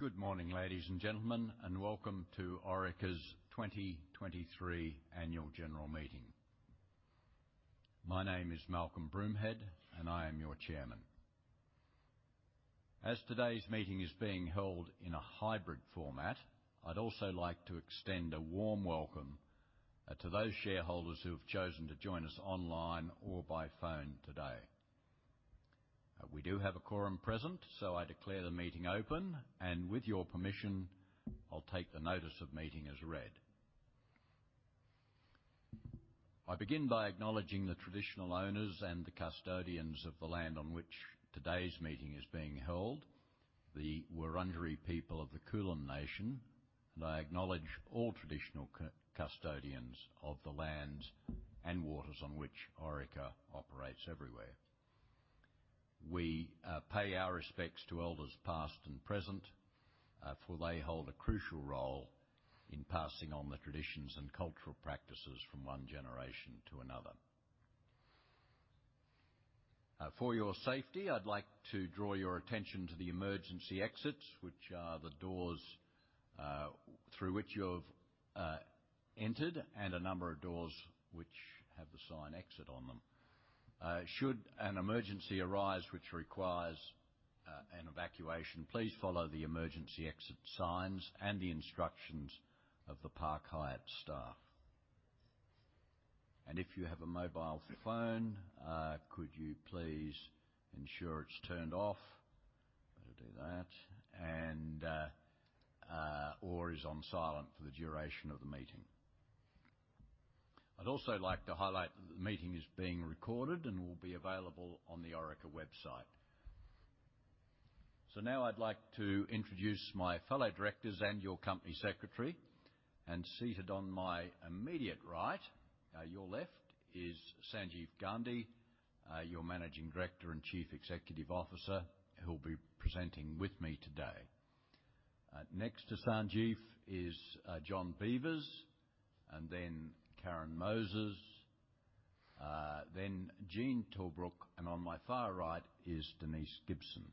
Good morning, ladies and gentlemen, and welcome to Orica's 2023 Annual General Meeting. My name is Malcolm Broomhead, and I am your chairman. As today's meeting is being held in a hybrid format, I'd also like to extend a warm welcome to those shareholders who have chosen to join us online or by phone today. We do have a quorum present, so I declare the meeting open, and with your permission, I'll take the notice of meeting as read. I begin by acknowledging the traditional owners and the custodians of the land on which today's meeting is being held, the Wurundjeri people of the Kulin Nation, and I acknowledge all traditional custodians of the lands and waters on which Orica operates everywhere. We pay our respects to elders past and present, for they hold a crucial role in passing on the traditions and cultural practices from one generation to another. For your safety, I'd like to draw your attention to the emergency exits, which are the doors through which you have entered and a number of doors which have the sign Exit on them. Should an emergency arise which requires an evacuation, please follow the emergency exit signs and the instructions of the Park Hyatt staff. And if you have a mobile phone, could you please ensure it's turned off? Better do that. And or is on silent for the duration of the meeting. I'd also like to highlight that the meeting is being recorded and will be available on the Orica website. So now I'd like to introduce my fellow directors and your company secretary, and seated on my immediate right, your left, is Sanjeev Gandhi, your Managing Director and Chief Executive Officer, who will be presenting with me today. Next to Sanjeev is John Beevers, and then Karen Moses, then Gene Tilbrook, and on my far right is Denise Gibson.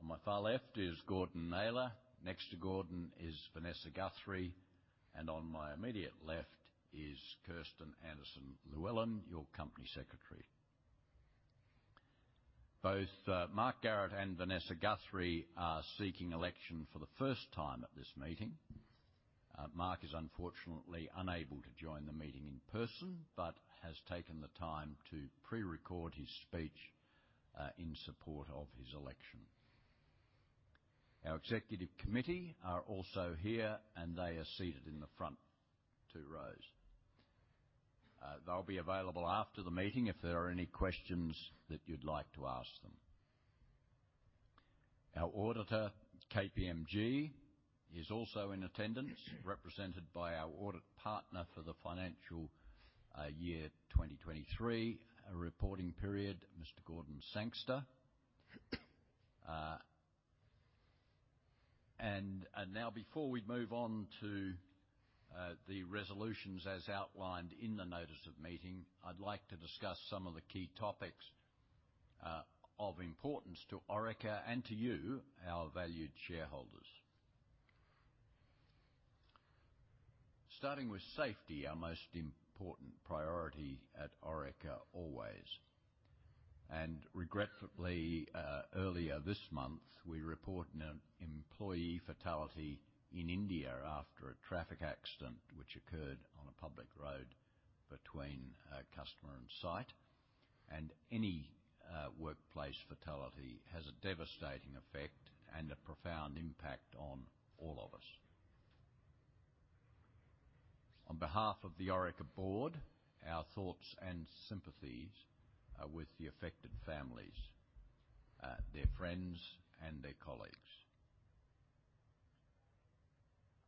On my far left is Gordon Naylor. Next to Gordon is Vanessa Guthrie, and on my immediate left is Kirsten Anderson-Llewellyn, your Company Secretary. Both Mark Garrett and Vanessa Guthrie are seeking election for the first time at this meeting. Mark is unfortunately unable to join the meeting in person, but has taken the time to pre-record his speech in support of his election. Our executive committee are also here, and they are seated in the front two rows. They'll be available after the meeting if there are any questions that you'd like to ask them. Our auditor, KPMG, is also in attendance, represented by our audit partner for the financial year 2023 reporting period, Mr. Gordon Sangster. And now, before we move on to the resolutions as outlined in the notice of meeting, I'd like to discuss some of the key topics of importance to Orica and to you, our valued shareholders. Starting with safety, our most important priority at Orica, always. Regretfully, earlier this month, we report an employee fatality in India after a traffic accident which occurred on a public road between a customer and site, and any workplace fatality has a devastating effect and a profound impact on all of us. On behalf of the Orica Board, our thoughts and sympathies are with the affected families, their friends and their colleagues.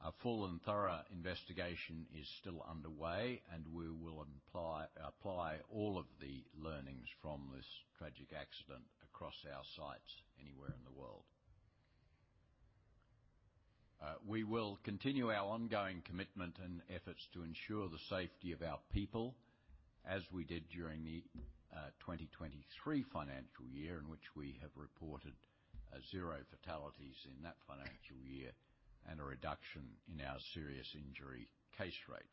A full and thorough investigation is still underway, and we will apply all of the learnings from this tragic accident across our sites anywhere in the world. We will continue our ongoing commitment and efforts to ensure the safety of our people, as we did during the 2023 financial year, in which we have reported 0 fatalities in that financial year and a reduction in our serious injury case rate.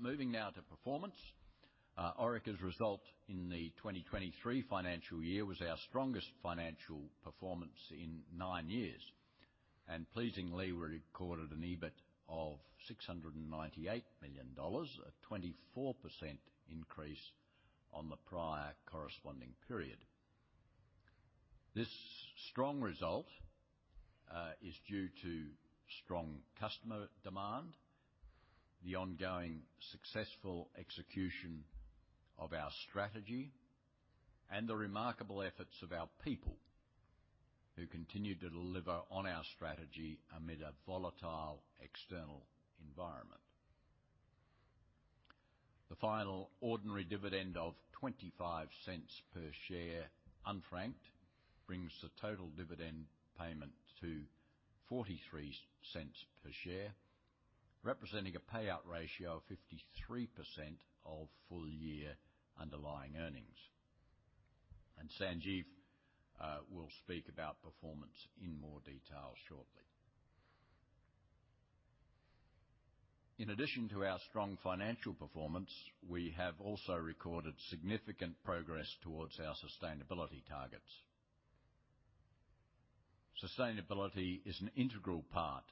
Moving now to performance. Orica's result in the 2023 financial year was our strongest financial performance in nine years, and pleasingly, we recorded an EBIT of 698 million dollars, a 24% increase on the prior corresponding period. This strong result is due to strong customer demand, the ongoing successful execution of our strategy, and the remarkable efforts of our people, who continue to deliver on our strategy amid a volatile external environment. The final ordinary dividend of 0.25 per share, unfranked, brings the total dividend payment to 0.43 per share, representing a payout ratio of 53% of full year underlying earnings. And Sanjeev will speak about performance in more detail shortly. In addition to our strong financial performance, we have also recorded significant progress towards our sustainability targets. Sustainability is an integral part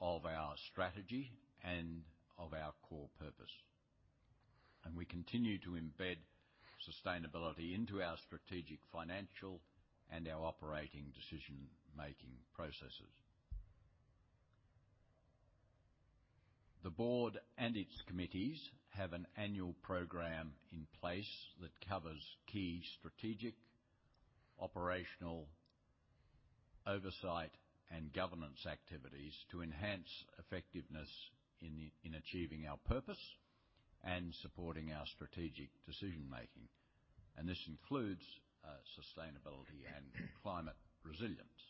of our strategy and of our core purpose, and we continue to embed sustainability into our strategic, financial, and our operating decision-making processes. The board and its committees have an annual program in place that covers key strategic, operational, oversight, and governance activities to enhance effectiveness in achieving our purpose and supporting our strategic decision making, and this includes sustainability and climate resilience.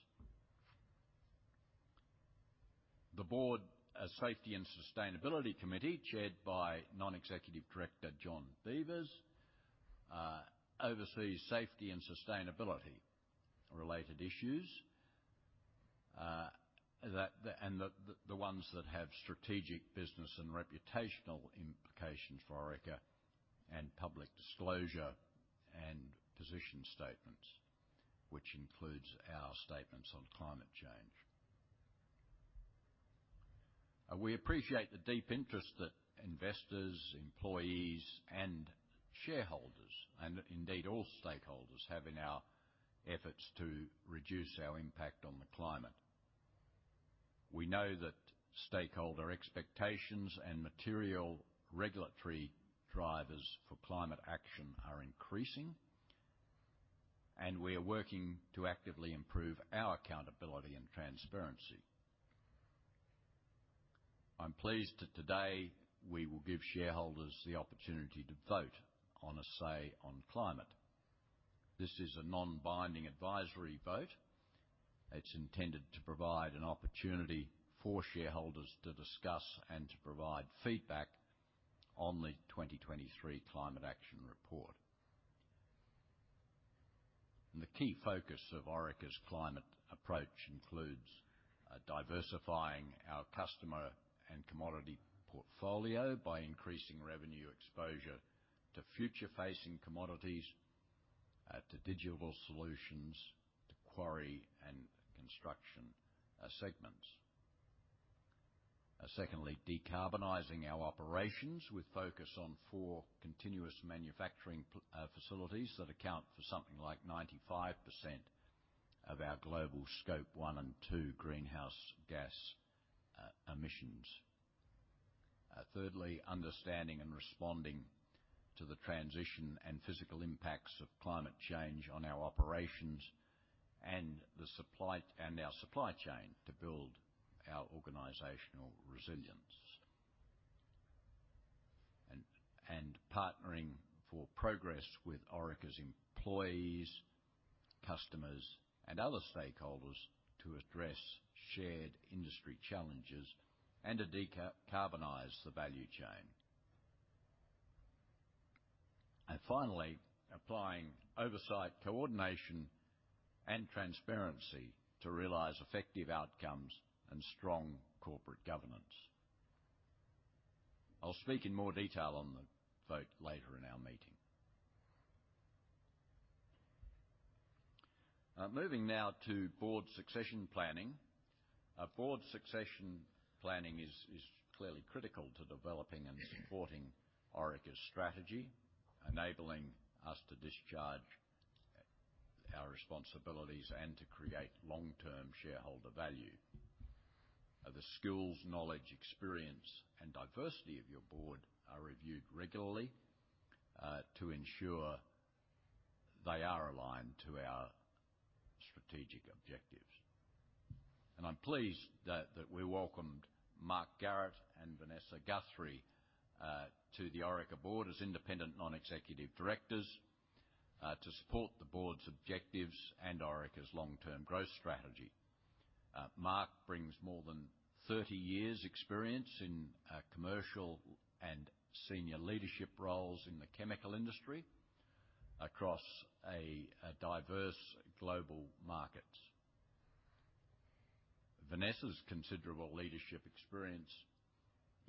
The board, as Safety and Sustainability Committee, chaired by Non-Executive Director John Beevers, oversees safety and sustainability-related issues, the ones that have strategic business and reputational implications for Orica and public disclosure and position statements, which includes our statements on climate change. We appreciate the deep interest that investors, employees, and shareholders, and indeed all stakeholders, have in our efforts to reduce our impact on the climate. We know that stakeholder expectations and material regulatory drivers for climate action are increasing, and we are working to actively improve our accountability and transparency. I'm pleased that today we will give shareholders the opportunity to vote on a Say on Climate. This is a non-binding advisory vote. It's intended to provide an opportunity for shareholders to discuss and to provide feedback on the 2023 climate action report. The key focus of Orica's climate approach includes diversifying our customer and commodity portfolio by increasing revenue exposure to future-facing commodities, to Digital Solutions, to quarry and construction segments. Second, decarbonizing our operations with focus on four continuous manufacturing facilities that account for something like 95% of our global Scope 1 and 2 greenhouse gas emissions. Third, understanding and responding to the transition and physical impacts of climate change on our operations and our supply chain to build our organizational resilience. Partnering for progress with Orica's employees, customers, and other stakeholders to address shared industry challenges and to decarbonize the value chain. And finally, applying oversight, coordination, and transparency to realize effective outcomes and strong corporate governance. I'll speak in more detail on the vote later in our meeting. Moving now to board succession planning. Our board succession planning is clearly critical to developing and supporting Orica's strategy, enabling us to discharge our responsibilities and to create long-term shareholder value. The skills, knowledge, experience, and diversity of your board are reviewed regularly to ensure they are aligned to our strategic objectives. And I'm pleased that we welcomed Mark Garrett and Vanessa Guthrie to the Orica Board as independent non-executive directors to support the board's objectives and Orica's long-term growth strategy. Mark brings more than 30 years experience in commercial and senior leadership roles in the chemical industry across diverse global markets. Vanessa's considerable leadership experience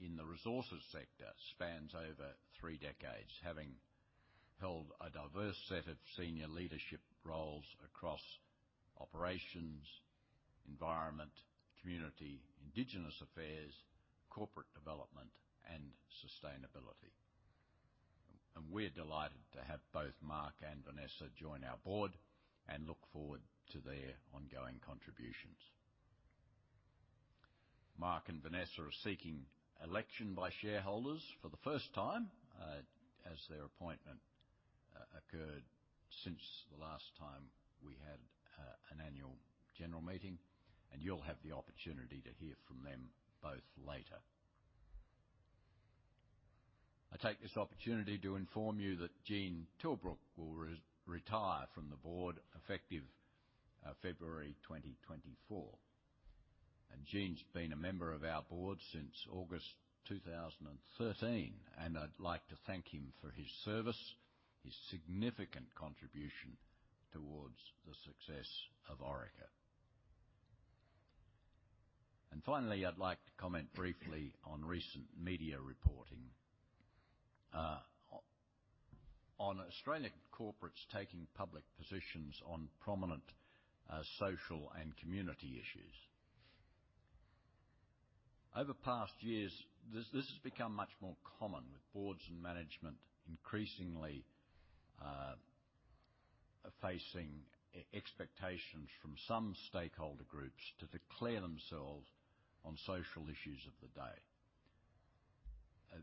in the resources sector spans over three decades, having held a diverse set of senior leadership roles across operations, environment, community, indigenous affairs, corporate development, and sustainability. We're delighted to have both Mark and Vanessa join our board and look forward to their ongoing contributions. Mark and Vanessa are seeking election by shareholders for the first time, as their appointment occurred since the last time we had an annual general meeting, and you'll have the opportunity to hear from them both later. I take this opportunity to inform you that Gene Tilbrook will retire from the board effective February 2024. Gene's been a member of our board since August 2013, and I'd like to thank him for his service, his significant contribution towards the success of Orica. Finally, I'd like to comment briefly on recent media reporting on Australian corporates taking public positions on prominent social and community issues. Over past years, this has become much more common, with boards and management increasingly facing expectations from some stakeholder groups to declare themselves on social issues of the day.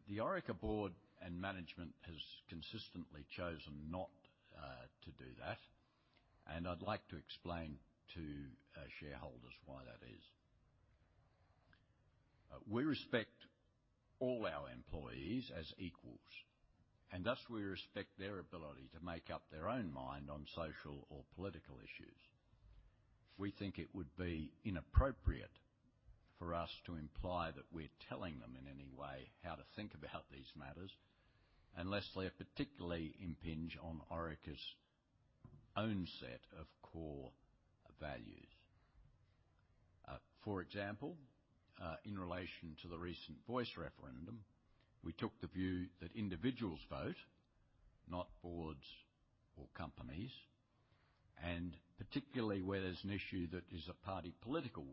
The Orica Board and management has consistently chosen not to do that, and I'd like to explain to shareholders why that is. We respect all our employees as equals, and thus we respect their ability to make up their own mind on social or political issues. We think it would be inappropriate for us to imply that we're telling them in any way how to think about these matters, unless they particularly impinge on Orica's own set of core values. For example, in relation to the recent Voice referendum, we took the view that individuals vote, not boards or companies, and particularly where there's an issue that is a party political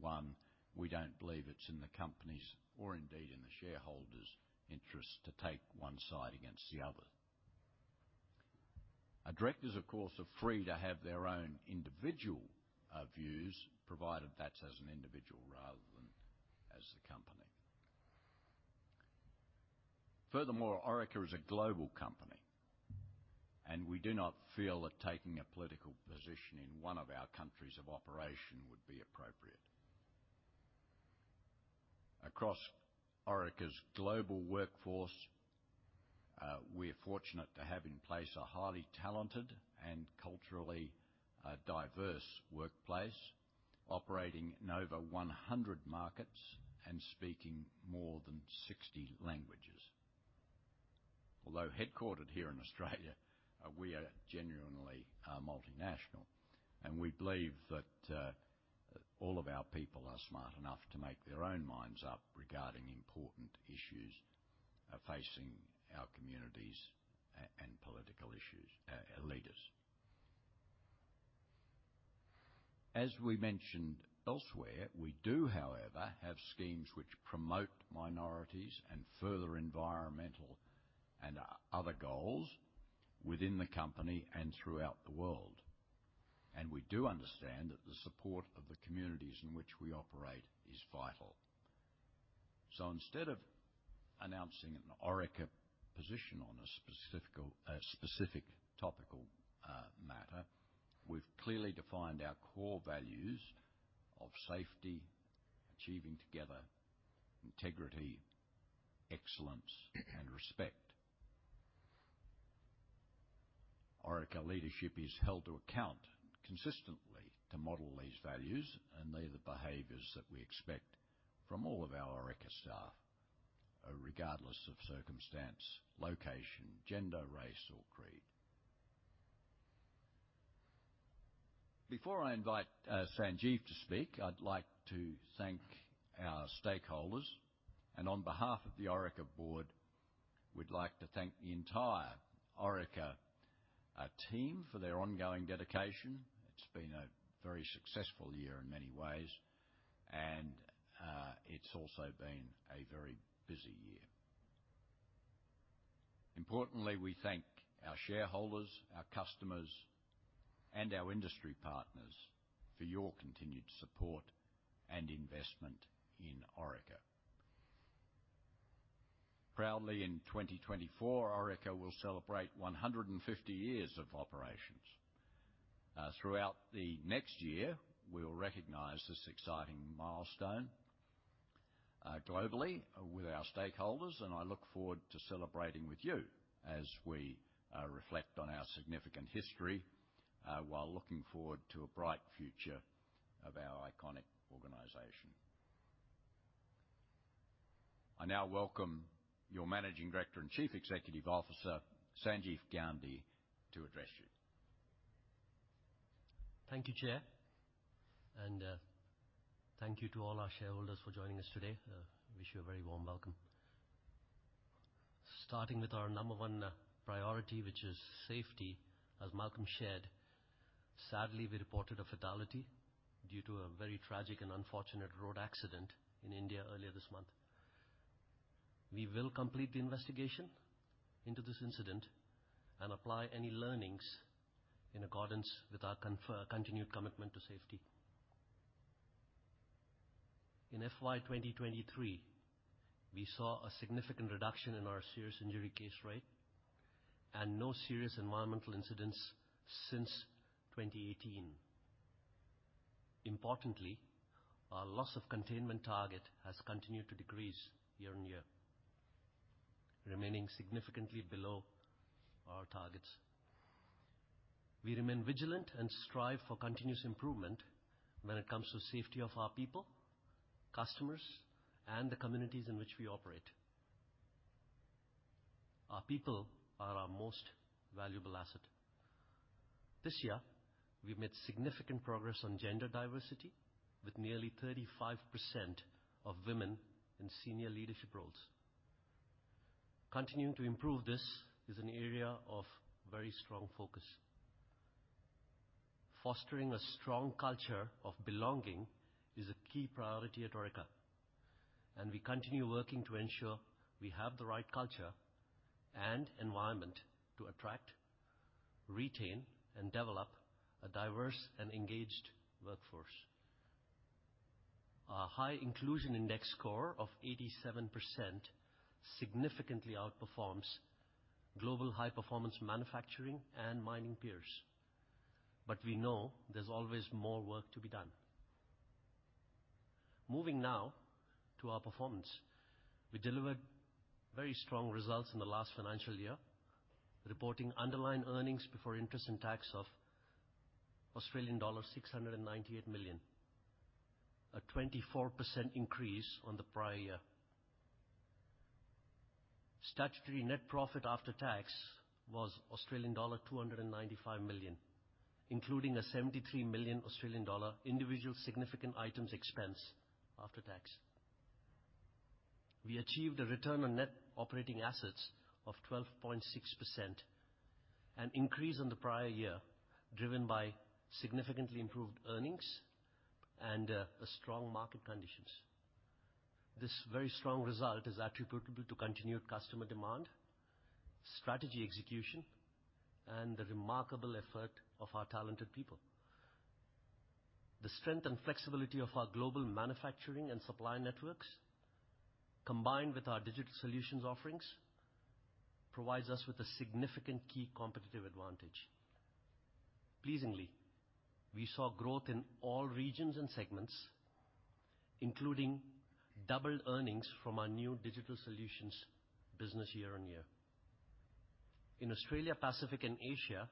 one, we don't believe it's in the company's, or indeed in the shareholders' interest to take one side against the other. Our directors, of course, are free to have their own individual views, provided that's as an individual rather than as the company. Furthermore, Orica is a global company, and we do not feel that taking a political position in one of our countries of operation would be appropriate. Across Orica's global workforce, we're fortunate to have in place a highly talented and culturally diverse workplace, operating in over 100 markets and speaking more than 60 languages. Although headquartered here in Australia, we are genuinely multinational, and we believe that all of our people are smart enough to make their own minds up regarding important issues facing our communities and political issues leaders. As we mentioned elsewhere, we do, however, have schemes which promote minorities and further environmental and other goals within the company and throughout the world, and we do understand that the support of the communities in which we operate is vital. So instead of announcing an Orica position on a specific topical matter, we've clearly defined our core values of safety, achieving together, integrity, excellence, and respect. Orica leadership is held to account consistently to model these values, and they're the behaviors that we expect from all of our Orica staff, regardless of circumstance, location, gender, race, or creed. Before I invite Sanjeev to speak, I'd like to thank our stakeholders, and on behalf of the Orica Board, we'd like to thank the entire Orica team for their ongoing dedication. It's been a very successful year in many ways, and it's also been a very busy year. Importantly, we thank our shareholders, our customers, and our industry partners for your continued support and investment in Orica. Proudly, in 2024, Orica will celebrate 150 years of operations. Throughout the next year, we will recognize this exciting milestone globally with our stakeholders, and I look forward to celebrating with you as we reflect on our significant history while looking forward to a bright future of our iconic organization. I now welcome your Managing Director and Chief Executive Officer, Sanjeev Gandhi, to address you. Thank you, Chair, and thank you to all our shareholders for joining us today. Wish you a very warm welcome. Starting with our number one priority, which is safety, as Malcolm shared, sadly, we reported a fatality due to a very tragic and unfortunate road accident in India earlier this month. We will complete the investigation into this incident and apply any learnings in accordance with our continued commitment to safety. In FY 2023, we saw a significant reduction in our serious injury case rate and no serious environmental incidents since 2018. Importantly, our loss of containment target has continued to decrease year on year, remaining significantly below our targets. We remain vigilant and strive for continuous improvement when it comes to safety of our people, customers, and the communities in which we operate. Our people are our most valuable asset. This year, we've made significant progress on gender diversity, with nearly 35% of women in senior leadership roles. Continuing to improve this is an area of very strong focus. Fostering a strong culture of belonging is a key priority at Orica, and we continue working to ensure we have the right culture and environment to attract, retain, and develop a diverse and engaged workforce. Our high inclusion index score of 87% significantly outperforms global high-performance manufacturing and mining peers, but we know there's always more work to be done. Moving now to our performance. We delivered very strong results in the last financial year, reporting underlying Earnings Before Interest and Tax of Australian dollars 698 million, a 24% increase on the prior year. Statutory net profit after tax was Australian dollar 295 million, including a 73 million Australian dollar individual significant items expense after tax. We achieved a return on net operating assets of 12.6%, an increase on the prior year, driven by significantly improved earnings and strong market conditions. This very strong result is attributable to continued customer demand, strategy execution, and the remarkable effort of our talented people. The strength and flexibility of our global manufacturing and supply networks, combined with our Digital Solutions offerings, provides us with a significant key competitive advantage. Pleasingly, we saw growth in all regions and segments, including double earnings from our new Digital Solutions business year on year. In Australia, Pacific, and Asia,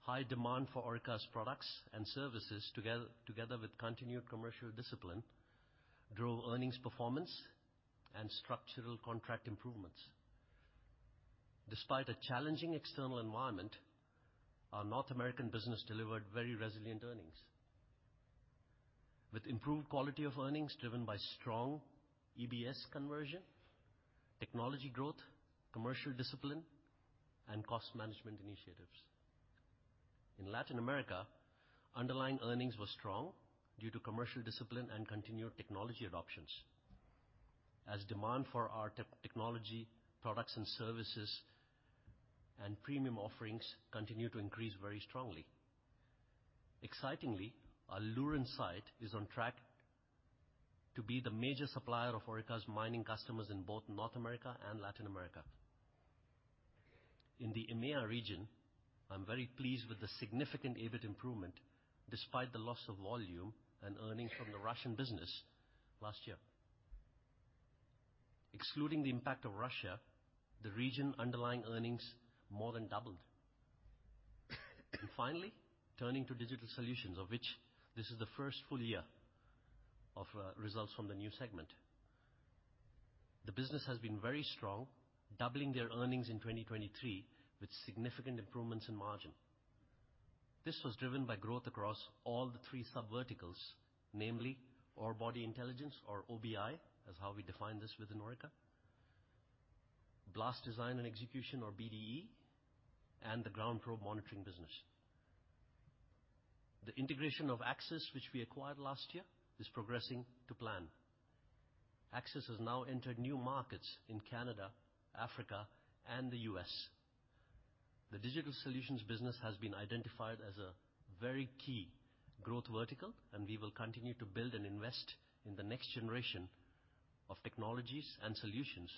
high demand for Orica's products and services together with continued commercial discipline, drove earnings performance and structural contract improvements. Despite a challenging external environment, our North American business delivered very resilient earnings, with improved quality of earnings driven by strong EBS conversion, technology growth, commercial discipline, and cost management initiatives. In Latin America, underlying earnings were strong due to commercial discipline and continued technology adoptions, as demand for our technology, products and services and premium offerings continued to increase very strongly. Excitingly, our Lurin site is on track to be the major supplier of Orica's mining customers in both North America and Latin America. In the EMEA region, I'm very pleased with the significant EBIT improvement, despite the loss of volume and earnings from the Russian business last year. Excluding the impact of Russia, the region underlying earnings more than doubled. Finally, turning to Digital Solutions, of which this is the first full year of, results from the new segment. The business has been very strong, doubling their earnings in 2023, with significant improvements in margin. This was driven by growth across all the three sub verticals, namely Orebody Intelligence, or OBI, is how we define this within Orica. Blast Design and Execution, or BDE. And the GroundProbe Monitoring business. The integration of Axis, which we acquired last year, is progressing to plan. Axis has now entered new markets in Canada, Africa, and the U.S. The Digital Solutions business has been identified as a very key growth vertical, and we will continue to build and invest in the next generation of technologies and solutions,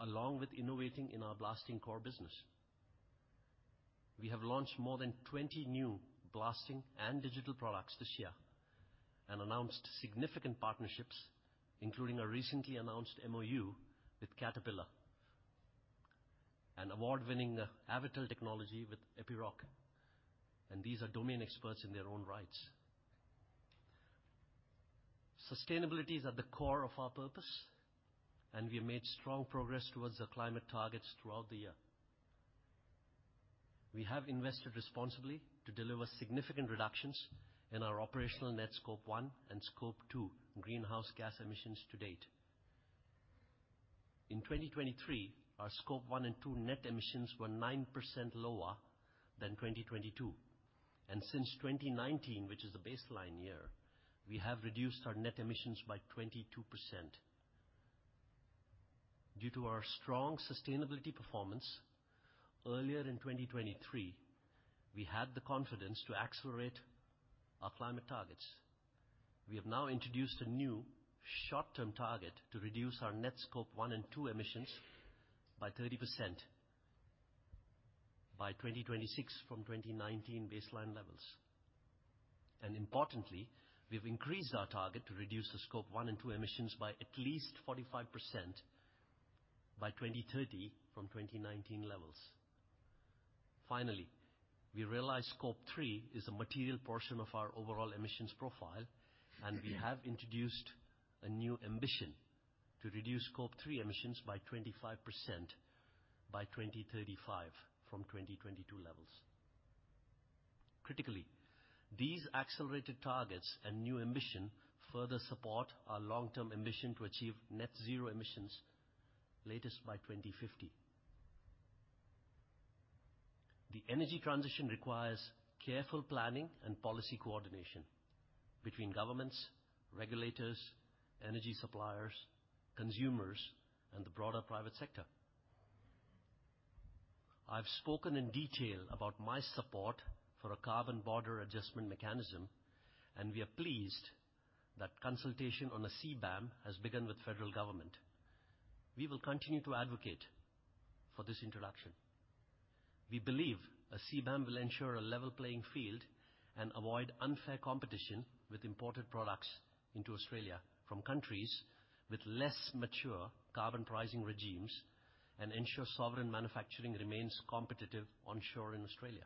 along with innovating in our blasting core business. We have launched more than 20 new blasting and digital products this year and announced significant partnerships, including a recently announced MoU with Caterpillar, an award-winning Avatel technology with Epiroc, and these are domain experts in their own rights. Sustainability is at the core of our purpose, and we have made strong progress towards the climate targets throughout the year. We have invested responsibly to deliver significant reductions in our operational net Scope 1 and Scope 2 greenhouse gas emissions to date. In 2023, our Scope 1 and 2 net emissions were 9% lower than 2022, and since 2019, which is the baseline year, we have reduced our net emissions by 22%. Due to our strong sustainability performance, earlier in 2023, we had the confidence to accelerate our climate targets. We have now introduced a new short-term target to reduce our net Scope 1 and 2 emissions by 30% by 2026 from 2019 baseline levels. Importantly, we've increased our target to reduce the Scope 1 and 2 emissions by at least 45% by 2030 from 2019 levels. Finally, we realize Scope 3 is a material portion of our overall emissions profile, and we have introduced a new ambition to reduce Scope 3 emissions by 25% by 2035 from 2022 levels. Critically, these accelerated targets and new ambition further support our long-term ambition to achieve Net Zero emissions latest by 2050. The energy transition requires careful planning and policy coordination between governments, regulators, energy suppliers, consumers, and the broader private sector. I've spoken in detail about my support for a Carbon Border Adjustment Mechanism, and we are pleased that consultation on the CBAM has begun with federal government. We will continue to advocate for this introduction. We believe a CBAM will ensure a level playing field and avoid unfair competition with imported products into Australia from countries with less mature carbon pricing regimes and ensure sovereign manufacturing remains competitive onshore in Australia.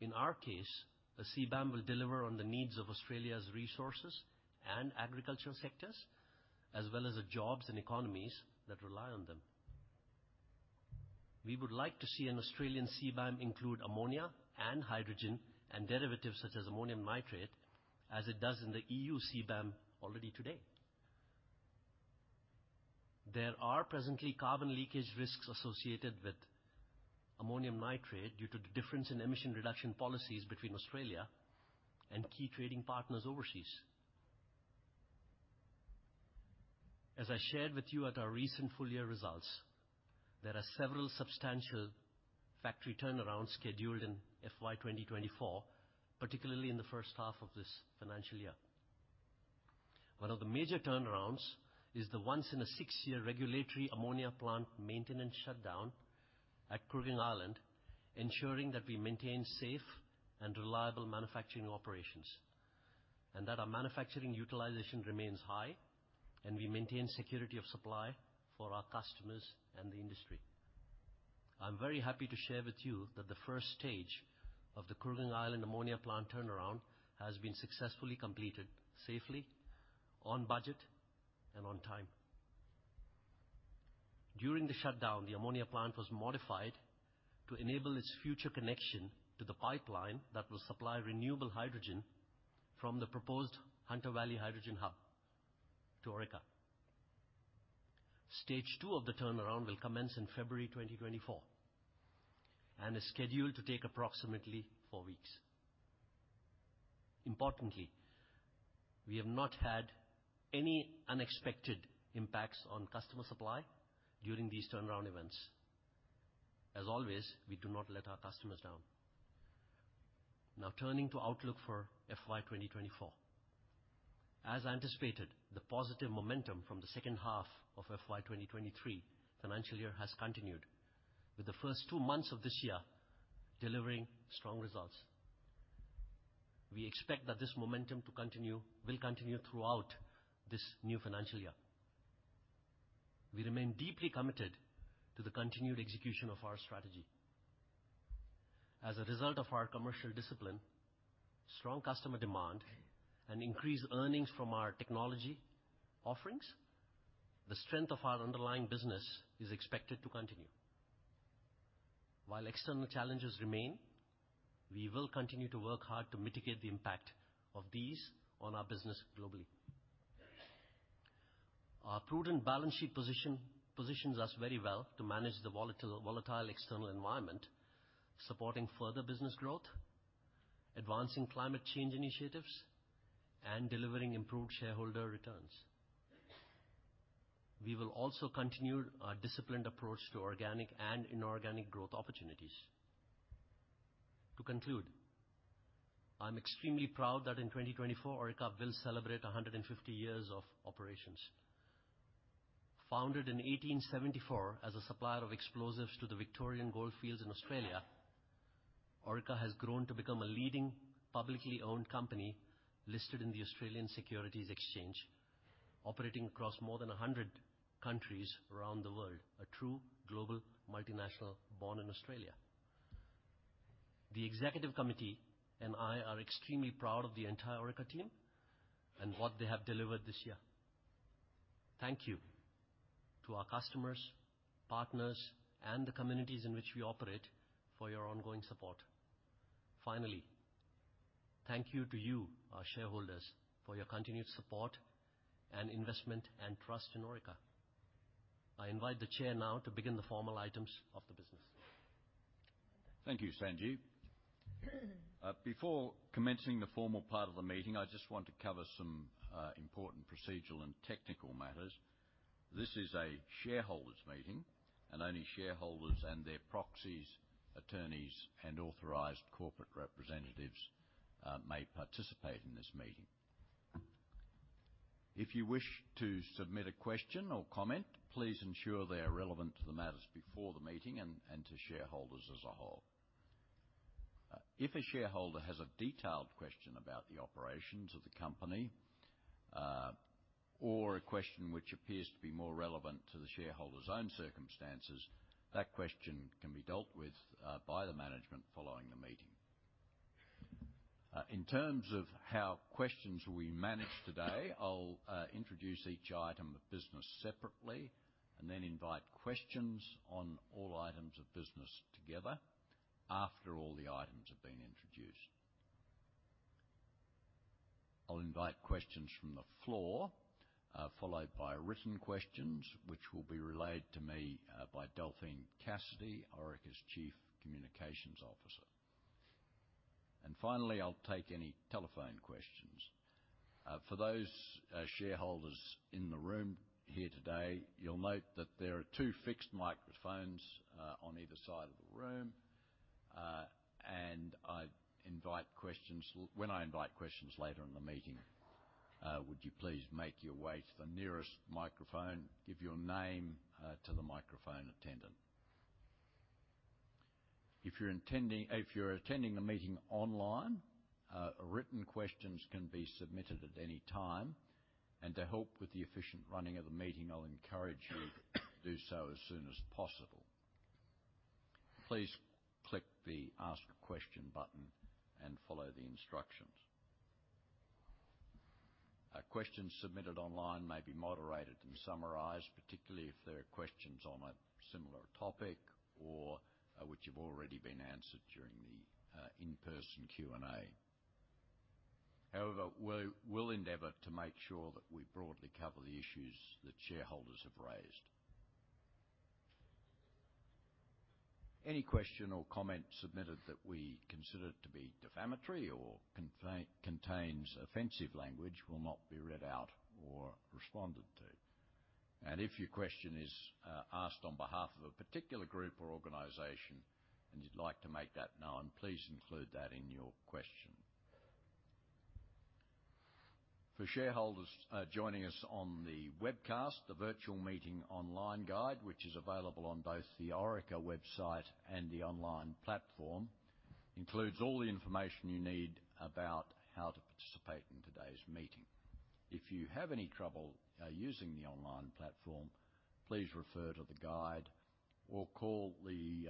In our case, a CBAM will deliver on the needs of Australia's resources and agricultural sectors, as well as the jobs and economies that rely on them. We would like to see an Australian CBAM include ammonia and hydrogen and derivatives, such as ammonium nitrate, as it does in the EU CBAM already today. There are presently carbon leakage risks associated with ammonium nitrate due to the difference in emission reduction policies between Australia and key trading partners overseas. As I shared with you at our recent full year results, there are several substantial factory turnarounds scheduled in FY 2024, particularly in the first half of this financial year. One of the major turnarounds is the once-in-a-six-year regulatory ammonia plant maintenance shutdown at Kooragang Island, ensuring that we maintain safe and reliable manufacturing operations, and that our manufacturing utilization remains high, and we maintain security of supply for our customers and the industry. I'm very happy to share with you that the first stage of the Kooragang Island ammonia plant turnaround has been successfully completed, safely, on budget, and on time. During the shutdown, the ammonia plant was modified to enable its future connection to the pipeline that will supply renewable hydrogen from the proposed Hunter Valley Hydrogen Hub to Orica. Stage two of the turnaround will commence in February 2024 and is scheduled to take approximately 4 weeks. Importantly, we have not had any unexpected impacts on customer supply during these turnaround events. As always, we do not let our customers down. Now, turning to outlook for FY 2024. As anticipated, the positive momentum from the second half of FY 2023 financial year has continued, with the first 2 months of this year delivering strong results. We expect that this momentum to continue, will continue throughout this new financial year. We remain deeply committed to the continued execution of our strategy. As a result of our commercial discipline, strong customer demand, and increased earnings from our technology offerings, the strength of our underlying business is expected to continue. While external challenges remain, we will continue to work hard to mitigate the impact of these on our business globally. Our prudent balance sheet position positions us very well to manage the volatile, volatile external environment, supporting further business growth, advancing climate change initiatives, and delivering improved shareholder returns. We will also continue our disciplined approach to organic and inorganic growth opportunities. To conclude, I'm extremely proud that in 2024, Orica will celebrate 150 years of operations. Founded in 1874 as a supplier of explosives to the Victorian Goldfields in Australia, Orica has grown to become a leading, publicly owned company, listed in the Australian Securities Exchange, operating across more than 100 countries around the world. A true global multinational, born in Australia. The executive committee and I are extremely proud of the entire Orica team and what they have delivered this year. Thank you to our customers, partners, and the communities in which we operate for your ongoing support. Finally, thank you to you, our shareholders, for your continued support and investment and trust in Orica. I invite the Chair now to begin the formal items of the business. Thank you, Sanjeev. Before commencing the formal part of the meeting, I just want to cover some important procedural and technical matters. This is a shareholders' meeting, and only shareholders and their proxies, attorneys, and authorized corporate representatives may participate in this meeting. If you wish to submit a question or comment, please ensure they are relevant to the matters before the meeting and, and to shareholders as a whole. If a shareholder has a detailed question about the operations of the company, or a question which appears to be more relevant to the shareholder's own circumstances, that question can be dealt with by the management following the meeting. In terms of how questions will be managed today, I'll introduce each item of business separately and then invite questions on all items of business together after all the items have been introduced. I'll invite questions from the floor, followed by written questions, which will be relayed to me by Delphine Cassidy, Orica's Chief Communications Officer. And finally, I'll take any telephone questions. For those shareholders in the room here today, you'll note that there are two fixed microphones on either side of the room. And I'd invite questions, when I invite questions later in the meeting, would you please make your way to the nearest microphone? Give your name to the microphone attendant. If you're attending the meeting online, written questions can be submitted at any time, and to help with the efficient running of the meeting, I'll encourage you to do so as soon as possible. Please click the Ask a Question button and follow the instructions. Questions submitted online may be moderated and summarized, particularly if there are questions on a similar topic or which have already been answered during the in-person Q&A. However, we'll endeavor to make sure that we broadly cover the issues that shareholders have raised. Any question or comment submitted that we consider to be defamatory or containing offensive language will not be read out or responded to. And if your question is asked on behalf of a particular group or organization, and you'd like to make that known, please include that in your question. For shareholders joining us on the webcast, the Virtual Meeting Online Guide, which is available on both the Orica website and the online platform, includes all the information you need about how to participate in today's meeting. If you have any trouble using the online platform, please refer to the guide or call the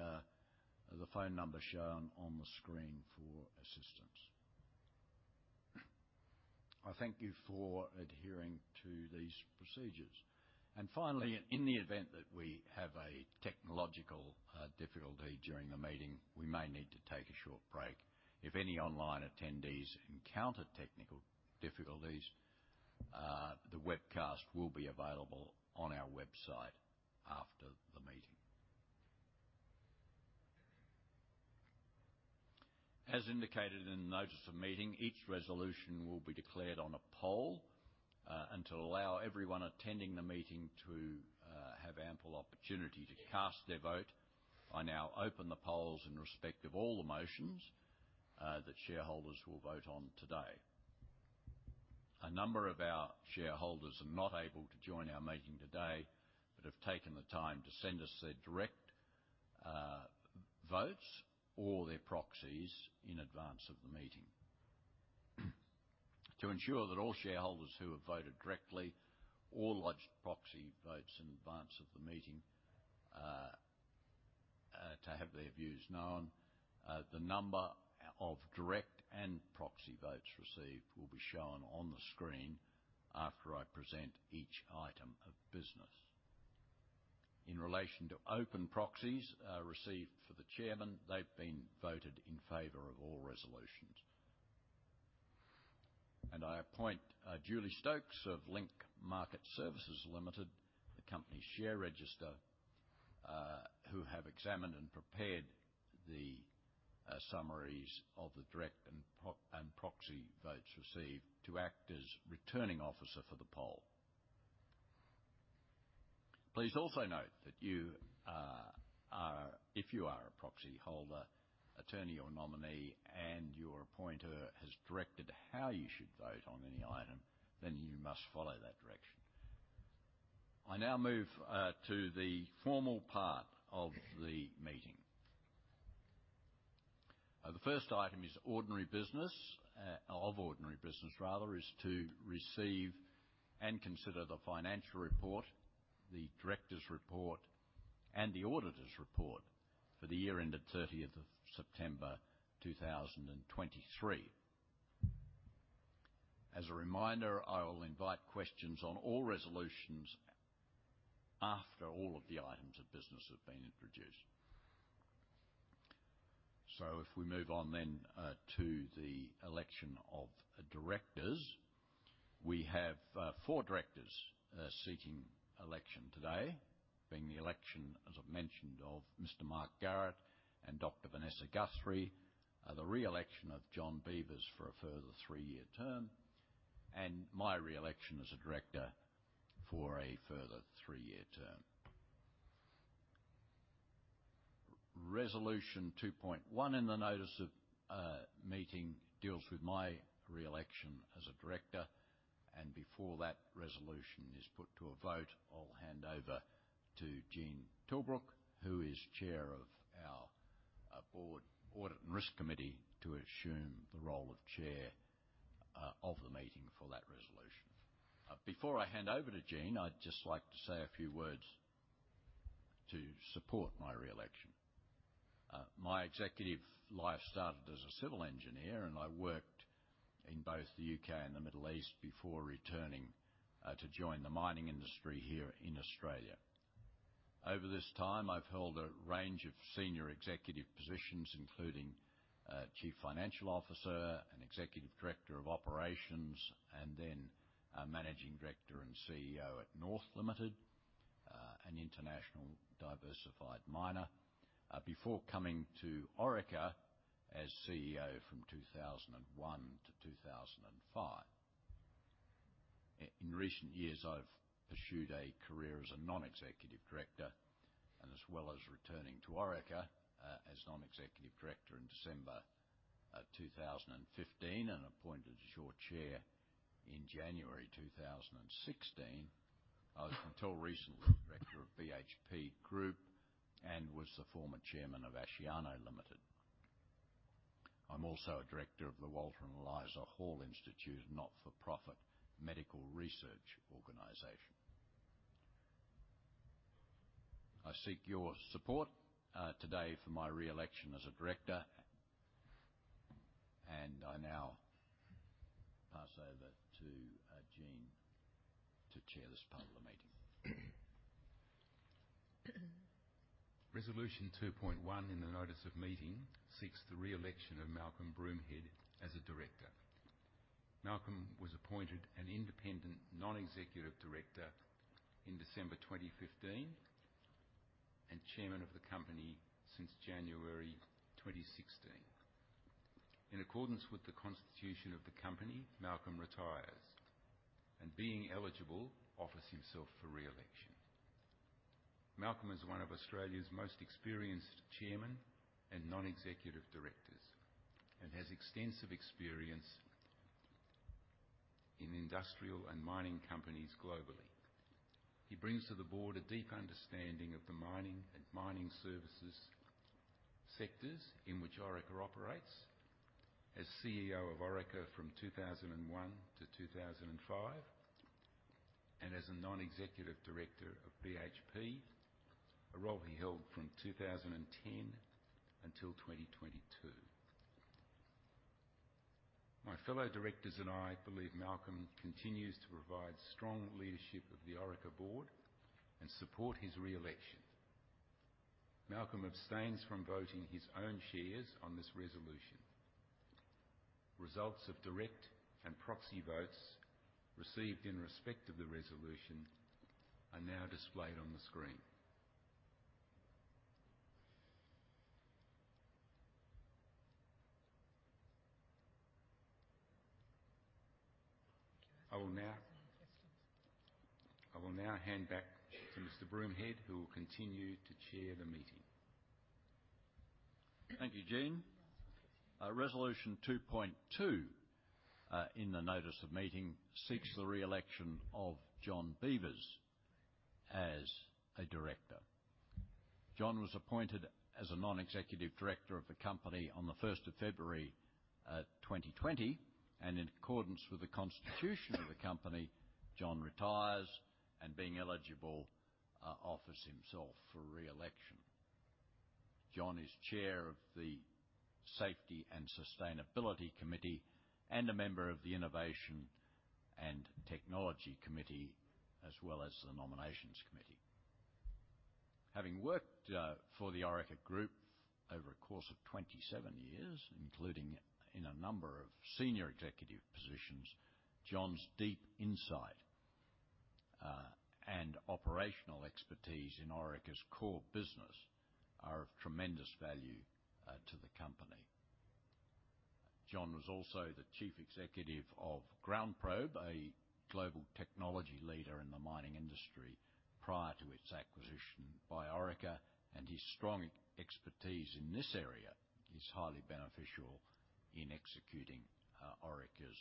phone number shown on the screen for assistance. I thank you for adhering to these procedures. Finally, in the event that we have a technological difficulty during the meeting, we may need to take a short break. If any online attendees encounter technical difficulties, the webcast will be available on our website after the meeting. As indicated in the notice of meeting, each resolution will be declared on a poll, and to allow everyone attending the meeting to have ample opportunity to cast their vote, I now open the polls in respect of all the motions that shareholders will vote on today. A number of our shareholders are not able to join our meeting today, but have taken the time to send us their direct votes or their proxies in advance of the meeting. To ensure that all shareholders who have voted directly or lodged proxy votes in advance of the meeting to have their views known, the number of direct and proxy votes received will be shown on the screen after I present each item of business. In relation to open proxies received for the Chairman, they've been voted in favor of all resolutions. I appoint Julie Stokes of Link Market Services Limited, the company's share register who have examined and prepared the summaries of the direct and proxy votes received, to act as Returning Officer for the poll. Please also note that you are... If you are a proxy holder, attorney, or nominee, and your appointer has directed how you should vote on any item, then you must follow that direction. I now move to the formal part of the meeting. The first item is ordinary business, of ordinary business, rather, is to receive and consider the financial report, the directors' report, and the auditors' report for the year ended thirtieth of September 2023. As a reminder, I will invite questions on all resolutions after all of the items of business have been introduced. So if we move on then to the election of directors, we have 4 directors seeking election today, being the election, as I've mentioned, of Mr. Mark Garrett and Dr. Vanessa Guthrie, the re-election of John Beevers for a further 3-year term, and my re-election as a director for a further 3-year term. Resolution 2.1 in the notice of meeting deals with my re-election as a director, and before that resolution is put to a vote, I'll hand over to Gene Tilbrook, who is Chair of our Board Audit and Risk Committee, to assume the role of Chair of the meeting for that resolution. Before I hand over to Gene, I'd just like to say a few words to support my re-election. My executive life started as a civil engineer, and I worked in both the UK and the Middle East before returning to join the mining industry here in Australia. Over this time, I've held a range of senior executive positions, including chief financial officer and executive director of operations, and then managing director and CEO at North Limited, an international diversified miner, before coming to Orica as CEO from 2001 to 2005. In recent years, I've pursued a career as a non-executive director, and as well as returning to Orica as non-executive director in December 2015, and appointed as your Chair in January 2016. I was, until recently, director of BHP Group and was the former Chairman of Asciano Limited. I'm also a director of the Walter and Eliza Hall Institute, a not-for-profit medical research organization. I seek your support today for my re-election as a director, and I now pass over to Gene to chair this part of the meeting. Resolution 2.1 in the notice of meeting seeks the re-election of Malcolm Broomhead as a director. Malcolm was appointed an independent non-executive director in December 2015, and Chairman of the company since January 2016. In accordance with the constitution of the company, Malcolm retires, and being eligible, offers himself for re-election. Malcolm is one of Australia's most experienced chairman and non-executive directors and has extensive experience in industrial and mining companies globally. He brings to the board a deep understanding of the mining and mining services sectors in which Orica operates. As CEO of Orica from 2001 to 2005, and as a non-executive director of BHP, a role he held from 2010 until 2022. My fellow directors and I believe Malcolm continues to provide strong leadership of the Orica Board and support his re-election. Malcolm abstains from voting his own shares on this resolution. Results of direct and proxy votes received in respect of the resolution are now displayed on the screen. I will now hand back to Mr. Broomhead, who will continue to chair the meeting. Thank you, Gene. Resolution 2.2 in the notice of meeting seeks the re-election of John Beevers as a director. John was appointed as a non-executive director of the company on the first of February 2020, and in accordance with the constitution of the company, John retires, and being eligible offers himself for re-election. John is chair of the Safety and Sustainability Committee and a member of the Innovation and Technology Committee, as well as the Nominations Committee. Having worked for the Orica Group over a course of 27 years, including in a number of senior executive positions, John's deep insight and operational expertise in Orica's core business are of tremendous value to the company. John was also the chief executive of GroundProbe, a global technology leader in the mining industry, prior to its acquisition by Orica, and his strong expertise in this area is highly beneficial in executing, Orica's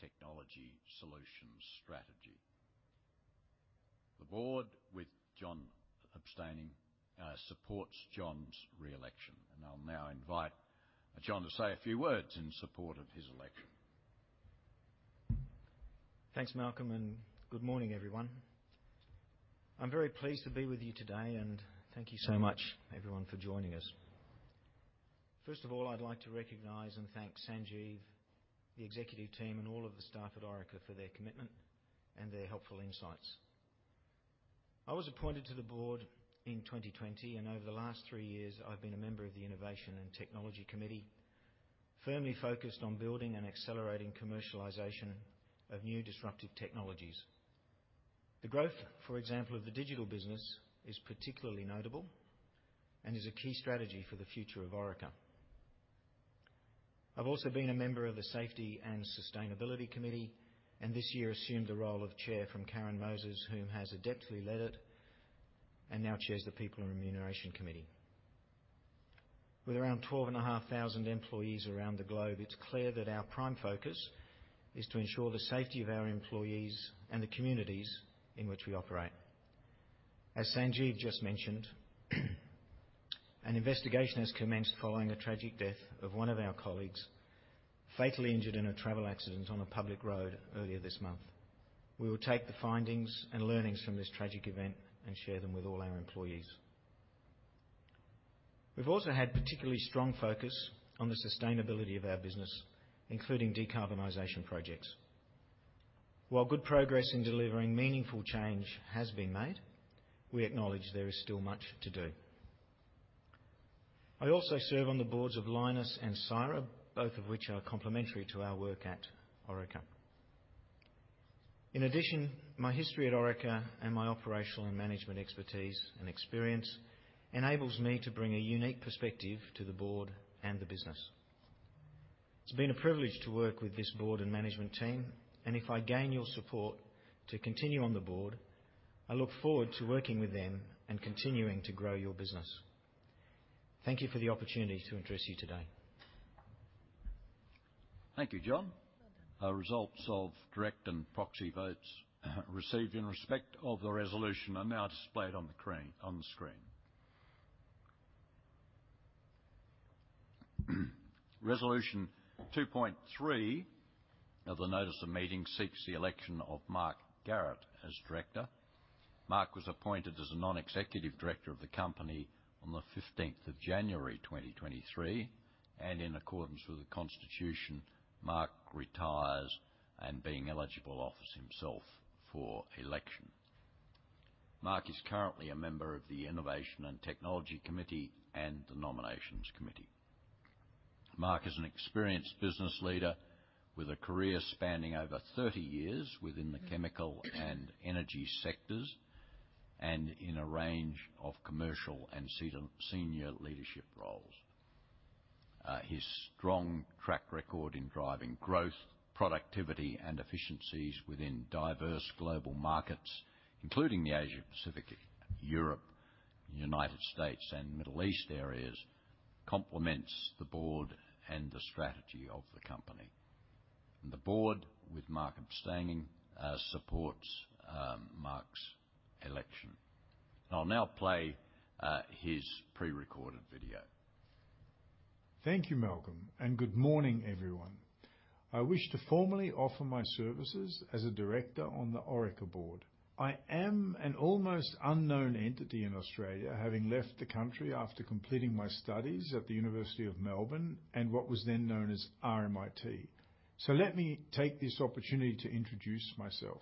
technology solutions strategy. The board, with John abstaining, supports John's re-election, and I'll now invite John to say a few words in support of his election. Thanks, Malcolm, and good morning, everyone. I'm very pleased to be with you today and thank you so much everyone for joining us. First of all, I'd like to recognize and thank Sanjeev, the executive team, and all of the staff at Orica for their commitment and their helpful insights. I was appointed to the board in 2020, and over the last three years I've been a member of the Innovation and Technology Committee, firmly focused on building and accelerating commercialization of new disruptive technologies. The growth, for example, of the digital business is particularly notable and is a key strategy for the future of Orica.... I've also been a member of the Safety and Sustainability Committee, and this year assumed the role of chair from Karen Moses, whom has adeptly led it, and now chairs the People and Remuneration Committee. With around 12,500 employees around the globe, it's clear that our prime focus is to ensure the safety of our employees and the communities in which we operate. As Sanjeev just mentioned, an investigation has commenced following the tragic death of one of our colleagues, fatally injured in a travel accident on a public road earlier this month. We will take the findings and learnings from this tragic event and share them with all our employees. We've also had particularly strong focus on the sustainability of our business, including decarbonization projects. While good progress in delivering meaningful change has been made, we acknowledge there is still much to do. I also serve on the boards of Lynas and Syrah, both of which are complementary to our work at Orica. In addition, my history at Orica and my operational and management expertise and experience enables me to bring a unique perspective to the board and the business. It's been a privilege to work with this board and management team, and if I gain your support to continue on the board, I look forward to working with them and continuing to grow your business. Thank you for the opportunity to address you today. Thank you, John. Our results of direct and proxy votes received in respect of the resolution are now displayed on the screen. Resolution 2.3 of the notice of meeting seeks the election of Mark Garrett as director. Mark was appointed as a non-executive director of the company on the 15th of January, 2023, and in accordance with the constitution, Mark retires and being eligible, offers himself for election. Mark is currently a member of the Innovation and Technology Committee and the Nominations Committee. Mark is an experienced business leader with a career spanning over 30 years within the chemical and energy sectors, and in a range of commercial and senior leadership roles. His strong track record in driving growth, productivity, and efficiencies within diverse global markets, including the Asia-Pacific, Europe, United States, and Middle East areas, complements the board and the strategy of the company. And the board, with Mark abstaining, supports Mark's election. I'll now play his prerecorded video. Thank you, Malcolm, and good morning, everyone. I wish to formally offer my services as a director on the Orica Board. I am an almost unknown entity in Australia, having left the country after completing my studies at the University of Melbourne and what was then known as RMIT. So let me take this opportunity to introduce myself.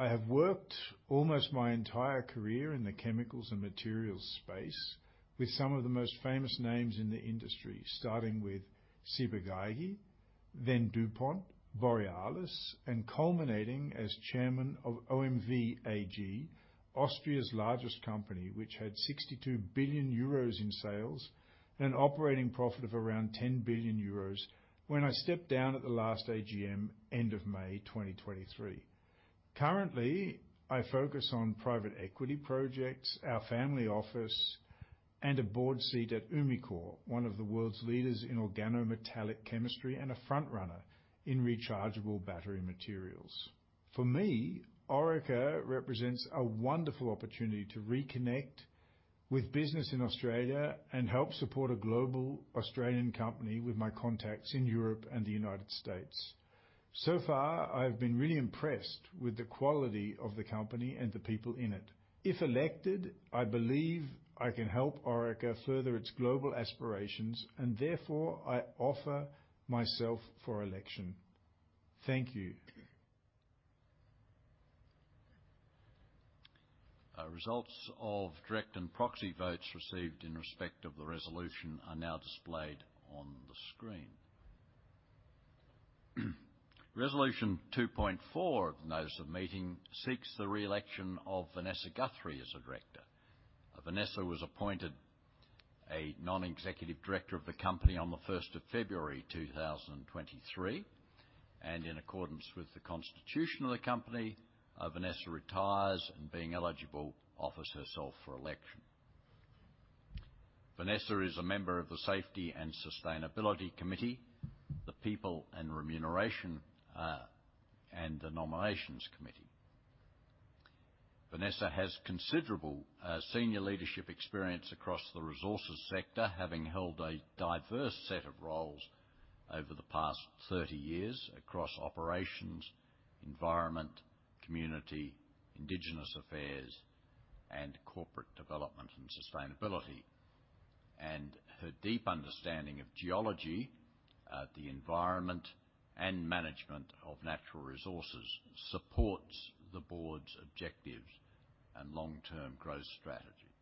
I have worked almost my entire career in the chemicals and materials space with some of the most famous names in the industry, starting with Ciba-Geigy, then DuPont, Borealis, and culminating as chairman of OMV AG, Austria's largest company, which had 62 billion euros in sales and an operating profit of around 10 billion euros when I stepped down at the last AGM, end of May 2023. Currently, I focus on private equity projects, our family office, and a board seat at Umicore, one of the world's leaders in organometallic chemistry and a frontrunner in rechargeable battery materials. For me, Orica represents a wonderful opportunity to reconnect with business in Australia and help support a global Australian company with my contacts in Europe and the United States. So far, I've been really impressed with the quality of the company and the people in it. If elected, I believe I can help Orica further its global aspirations, and therefore, I offer myself for election. Thank you. Results of direct and proxy votes received in respect of the resolution are now displayed on the screen. Resolution 2.4 of the notice of meeting seeks the re-election of Vanessa Guthrie as a director. Vanessa was appointed a non-executive director of the company on the first of February, 2023, and in accordance with the constitution of the company, Vanessa retires, and being eligible, offers herself for election. Vanessa is a member of the Safety and Sustainability Committee, the People and Remuneration, and the Nominations Committee. Vanessa has considerable senior leadership experience across the resources sector, having held a diverse set of roles over the past 30 years across operations, environment, community, indigenous affairs, and corporate development and sustainability. Her deep understanding of geology, the environment, and management of natural resources supports the board's objectives and long-term growth strategy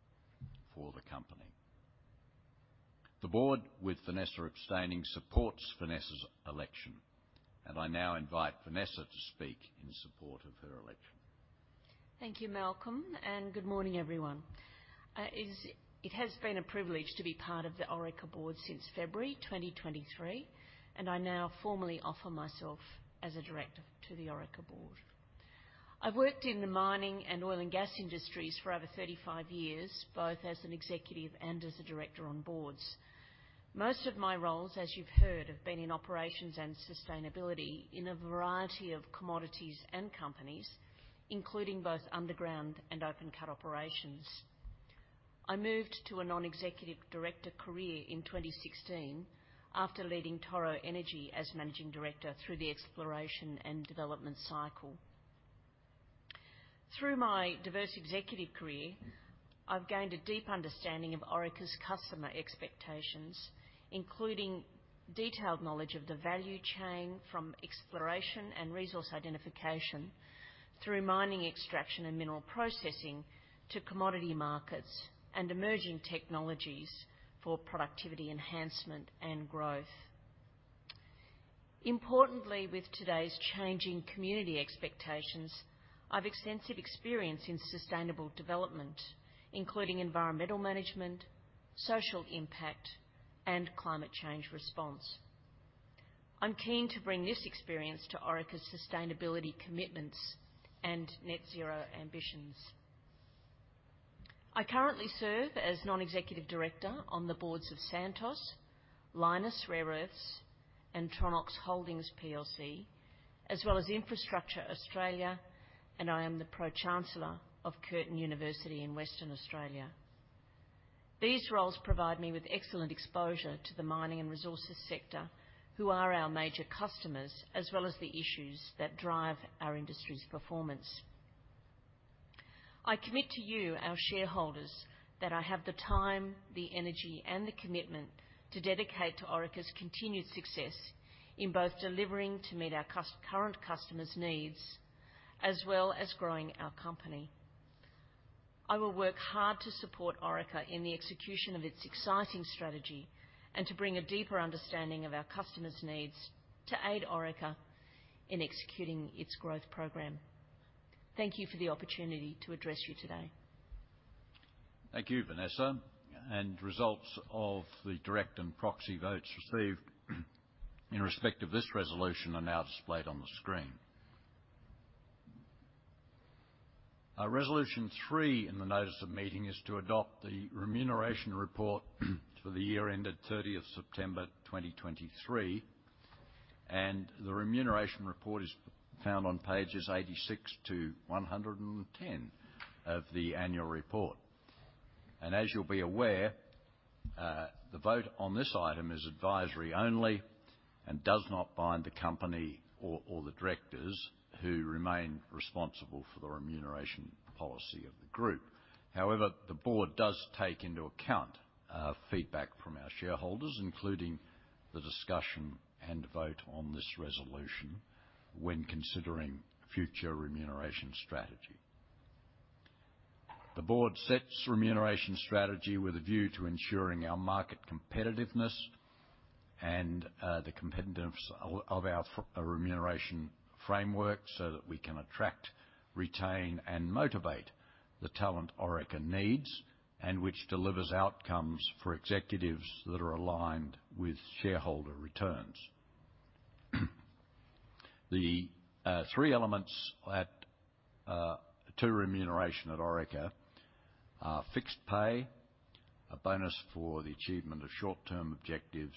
for the company. The board, with Vanessa abstaining, supports Vanessa's election, and I now invite Vanessa to speak in support of her election.... Thank you, Malcolm, and good morning, everyone. It has been a privilege to be part of the Orica Board since February 2023, and I now formally offer myself as a director to the Orica Board. I've worked in the mining and oil and gas industries for over 35 years, both as an executive and as a director on boards. Most of my roles, as you've heard, have been in operations and sustainability in a variety of commodities and companies, including both underground and open cut operations. I moved to a non-executive director career in 2016 after leading Toro Energy as managing director through the exploration and development cycle. Through my diverse executive career, I've gained a deep understanding of Orica's customer expectations, including detailed knowledge of the value chain from exploration and resource identification through mining, extraction, and mineral processing, to commodity markets and emerging technologies for productivity enhancement and growth. Importantly, with today's changing community expectations, I've extensive experience in sustainable development, including environmental management, social impact, and climate change response. I'm keen to bring this experience to Orica's sustainability commitments and net zero ambitions. I currently serve as non-executive director on the boards of Santos, Lynas Rare Earths, and Tronox Holdings PLC, as well as Infrastructure Australia, and I am the Pro-Chancellor of Curtin University in Western Australia. These roles provide me with excellent exposure to the mining and resources sector, who are our major customers, as well as the issues that drive our industry's performance. I commit to you, our shareholders, that I have the time, the energy, and the commitment to dedicate to Orica's continued success in both delivering to meet our current customers' needs, as well as growing our company. I will work hard to support Orica in the execution of its exciting strategy and to bring a deeper understanding of our customers' needs to aid Orica in executing its growth program. Thank you for the opportunity to address you today. Thank you, Vanessa, and results of the direct and proxy votes received in respect of this resolution are now displayed on the screen. Resolution three in the notice of meeting is to adopt the remuneration report for the year ended 30 September 2023, and the remuneration report is found on pages 86 to 110 of the annual report. As you'll be aware, the vote on this item is advisory only and does not bind the company or the directors who remain responsible for the remuneration policy of the group. However, the board does take into account feedback from our shareholders, including the discussion and vote on this resolution when considering future remuneration strategy. The board sets remuneration strategy with a view to ensuring our market competitiveness and the competitiveness of our remuneration framework so that we can attract, retain, and motivate the talent Orica needs, and which delivers outcomes for executives that are aligned with shareholder returns. The three elements of remuneration at Orica are fixed pay, a bonus for the achievement of short-term objectives,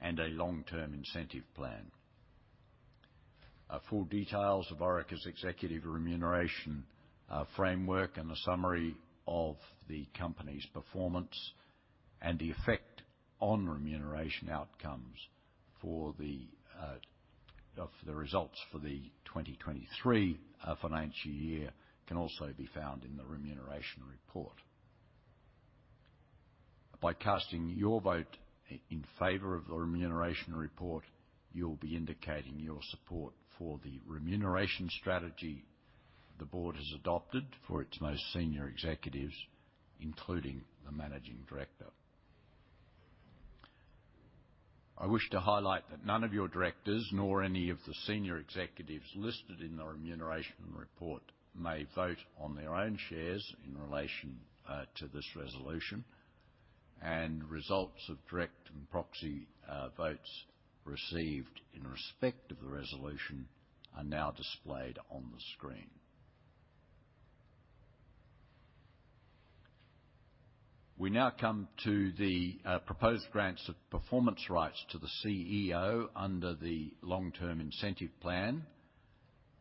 and a long-term incentive plan. Full details of Orica's executive remuneration framework and a summary of the company's performance and the effect on remuneration outcomes of the results for the 2023 financial year can also be found in the remuneration report. By casting your vote in favor of the remuneration report, you'll be indicating your support for the remuneration strategy the board has adopted for its most senior executives, including the managing director. I wish to highlight that none of your directors, nor any of the senior executives listed in the remuneration report, may vote on their own shares in relation to this resolution, and results of direct and proxy votes received in respect of the resolution are now displayed on the screen. We now come to the proposed grants of performance rights to the CEO under the long-term incentive plan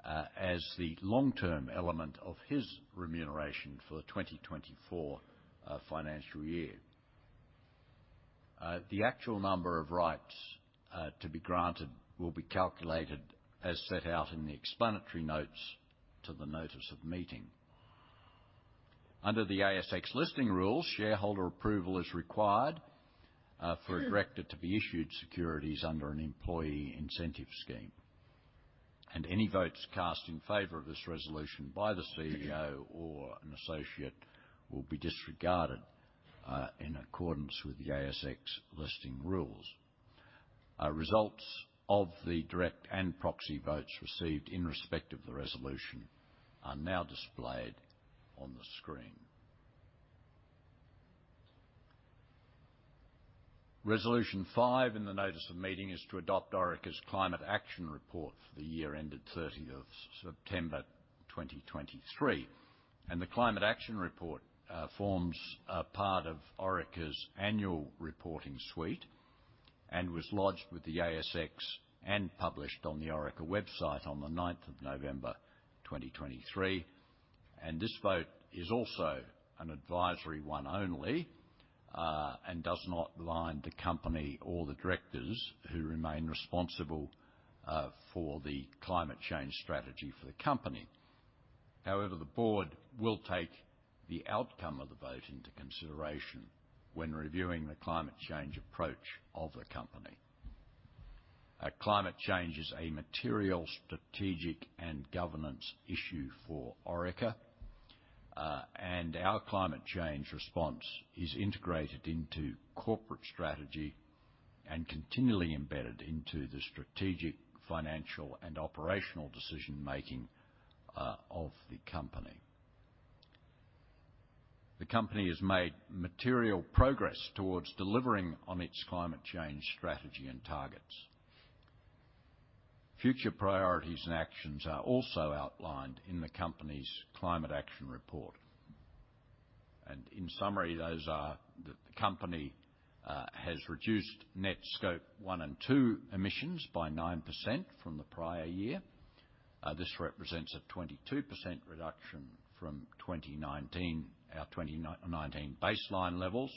as the long-term element of his remuneration for the 2024 financial year. The actual number of rights to be granted will be calculated as set out in the explanatory notes to the notice of meeting. Under the ASX listing rules, shareholder approval is required for a director to be issued securities under an employee incentive scheme, and any votes cast in favor of this resolution by the CEO or an associate will be disregarded in accordance with the ASX listing rules. Results of the direct and proxy votes received in respect of the resolution are now displayed on the screen. Resolution 5 in the notice of meeting is to adopt Orica's Climate Action Report for the year ended 30th of September 2023, and the Climate Action Report forms a part of Orica's annual reporting suite and was lodged with the ASX and published on the Orica website on the 9th of November 2023. This vote is also an advisory one only, and does not bind the company or the directors who remain responsible for the climate change strategy for the company. However, the board will take the outcome of the vote into consideration when reviewing the climate change approach of the company. Climate change is a material, strategic, and governance issue for Orica, and our climate change response is integrated into corporate strategy and continually embedded into the strategic, financial, and operational decision-making of the company. The company has made material progress towards delivering on its climate change strategy and targets. Future priorities and actions are also outlined in the company's Climate Action Report. In summary, those are the company has reduced net Scope 1 and 2 emissions by 9% from the prior year. This represents a 22% reduction from 2019, our 2019 baseline levels,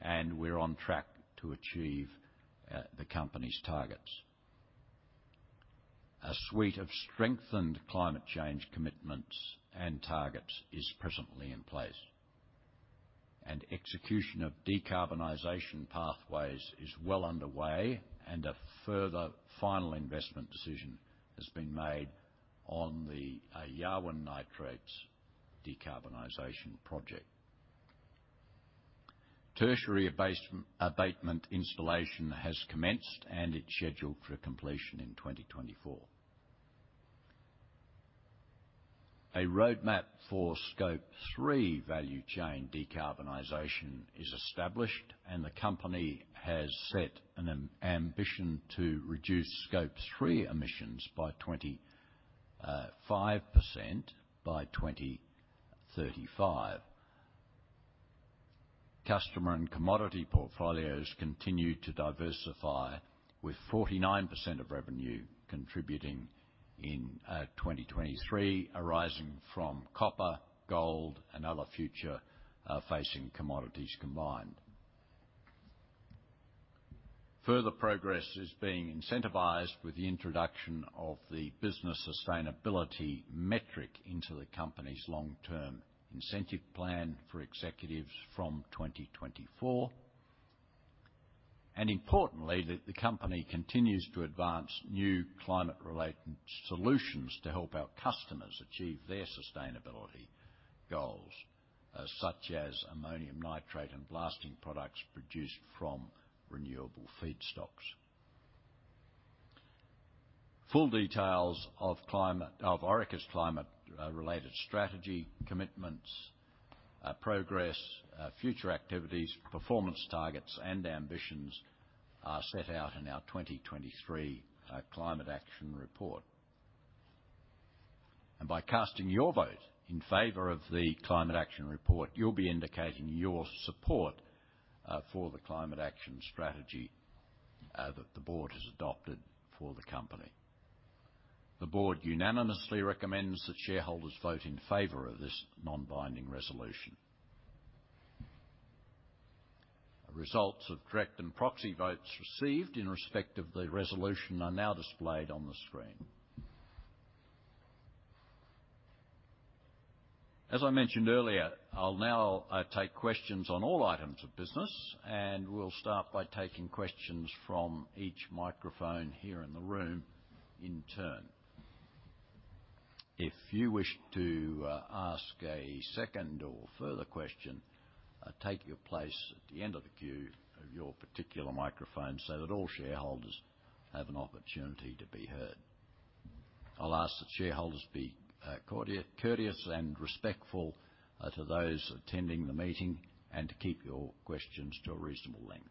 and we're on track to achieve the company's targets. A suite of strengthened climate change commitments and targets is presently in place, and execution of decarbonization pathways is well underway, and a further final investment decision has been made on the Yarwun Nitrates Decarbonization project. Tertiary abatement installation has commenced, and it's scheduled for completion in 2024. A roadmap for Scope 3 value chain decarbonization is established, and the company has set an ambition to reduce Scope 3 emissions by 25% by 2035. Customer and commodity portfolios continue to diversify, with 49% of revenue contributing in 2023, arising from copper, gold, and other future facing commodities combined. Further progress is being incentivized with the introduction of the business sustainability metric into the company's long-term incentive plan for executives from 2024. Importantly, the company continues to advance new climate-related solutions to help our customers achieve their sustainability goals, such as ammonium nitrate and blasting products produced from renewable feedstocks. Full details of Orica's climate-related strategy, commitments, progress, future activities, performance targets, and ambitions are set out in our 2023 Climate Action Report. By casting your vote in favor of the Climate Action Report, you'll be indicating your support for the climate action strategy that the board has adopted for the company. The board unanimously recommends that shareholders vote in favor of this non-binding resolution. The results of direct and proxy votes received in respect of the resolution are now displayed on the screen. As I mentioned earlier, I'll now take questions on all items of business, and we'll start by taking questions from each microphone here in the room in turn. If you wish to ask a second or further question, take your place at the end of the queue of your particular microphone so that all shareholders have an opportunity to be heard. I'll ask that shareholders be cordial, courteous, and respectful to those attending the meeting and to keep your questions to a reasonable length.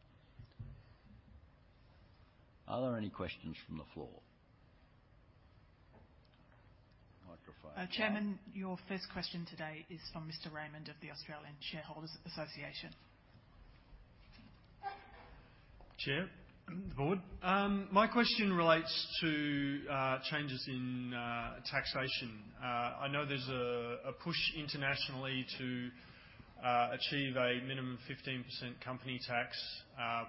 Are there any questions from the floor? Microphone- Chairman, your first question today is from Mr. Raymond of the Australian Shareholders Association. Chair, the board, my question relates to changes in taxation. I know there's a push internationally to achieve a minimum 15% company tax,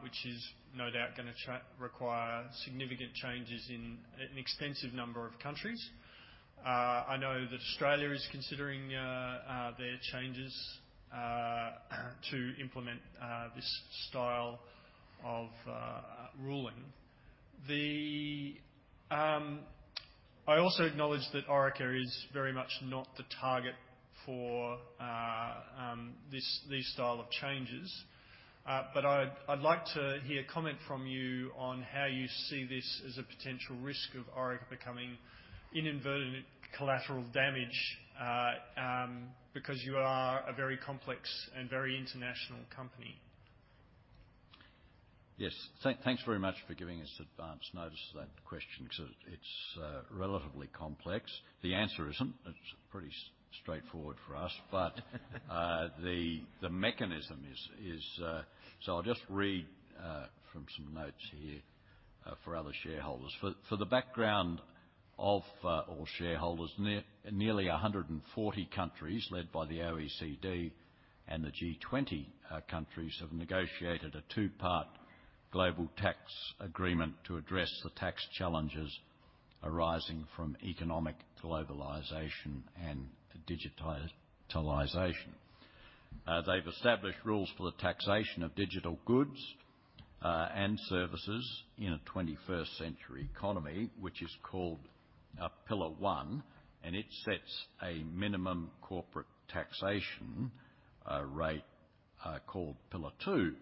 which is no doubt gonna require significant changes in an extensive number of countries. I know that Australia is considering their changes to implement this style of ruling. I also acknowledge that Orica is very much not the target for this, these style of changes. But I'd like to hear comment from you on how you see this as a potential risk of Orica becoming in inverted collateral damage because you are a very complex and very international company. Yes. Thanks very much for giving us advanced notice of that question because it's relatively complex. The answer isn't. It's pretty straightforward for us. But the mechanism is... So I'll just read from some notes here for other shareholders. For the background of all shareholders, nearly 140 countries, led by the OECD and the G20 countries, have negotiated a two-part global tax agreement to address the tax challenges arising from economic globalization and digitalization. They've established rules for the taxation of digital goods, and services in a 21st century economy, which is called Pillar One, and it sets a minimum corporate taxation rate, called Pillar Two,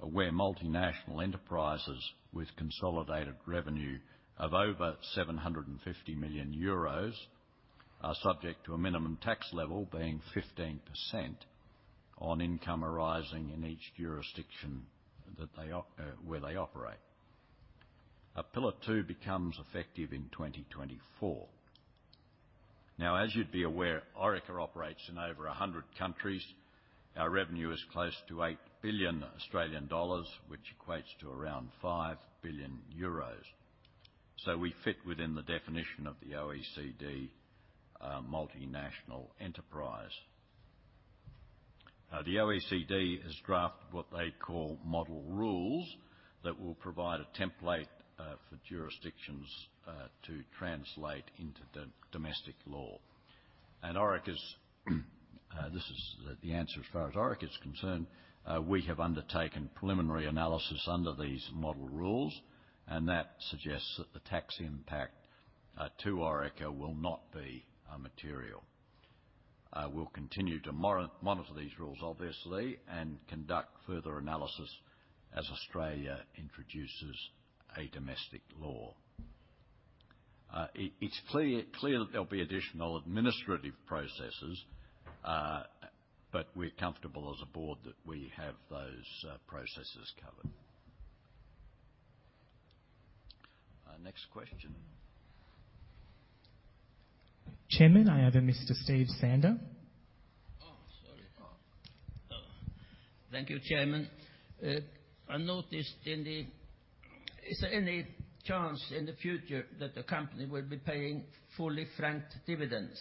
where multinational enterprises with consolidated revenue of over 750 million euros are subject to a minimum tax level, being 15%, on income arising in each jurisdiction where they operate. Pillar Two becomes effective in 2024. Now, as you'd be aware, Orica operates in over 100 countries. Our revenue is close to 8 billion Australian dollars, which equates to around 5 billion euros. So we fit within the definition of the OECD multinational enterprise. The OECD has drafted what they call model rules that will provide a template for jurisdictions to translate into the domestic law. Orica's this is the answer as far as Orica is concerned. We have undertaken preliminary analysis under these model rules, and that suggests that the tax impact to Orica will not be material. We'll continue to monitor these rules, obviously, and conduct further analysis as Australia introduces a domestic law. It's clear that there'll be additional administrative processes, but we're comfortable as a board that we have those processes covered. Next question. Chairman, I have a Mr. Steve Sander. Oh, sorry. Oh. Thank you, Chairman. I noticed in the... Is there any chance in the future that the company will be paying fully franked dividends?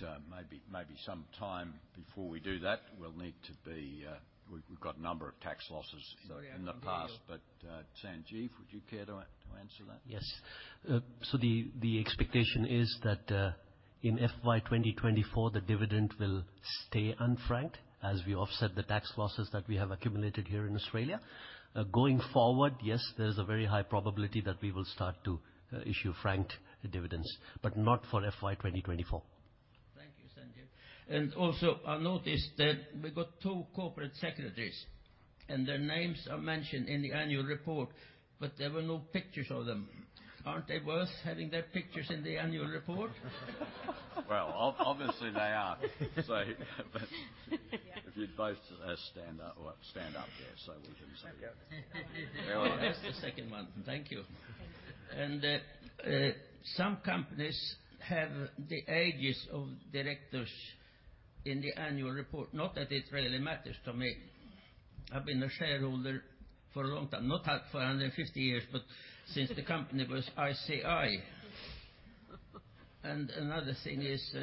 It may be some time before we do that. We'll need to be... We've got a number of tax losses- Sorry, I can't hear you. in the past, but Sanjeev, would you care to answer that? Yes. So the expectation is that in FY 2024, the dividend will stay unfranked as we offset the tax losses that we have accumulated here in Australia. Going forward, yes, there's a very high probability that we will start to issue franked dividends, but not for FY 2024. Thank you, Sanjeev. And also, I noticed that we've got two corporate secretaries, and their names are mentioned in the annual report, but there were no pictures of them. Aren't they worth having their pictures in the annual report? Well, obviously, they are. So, but- Yeah. If you'd both stand up. Well, stand up there, so we can see you. Where was the second one? Thank you. Thank you. Some companies have the ages of directors in the annual report. Not that it really matters to me. I've been a shareholder for a long time, not for 150 years, but since the company was ICI. Another thing is,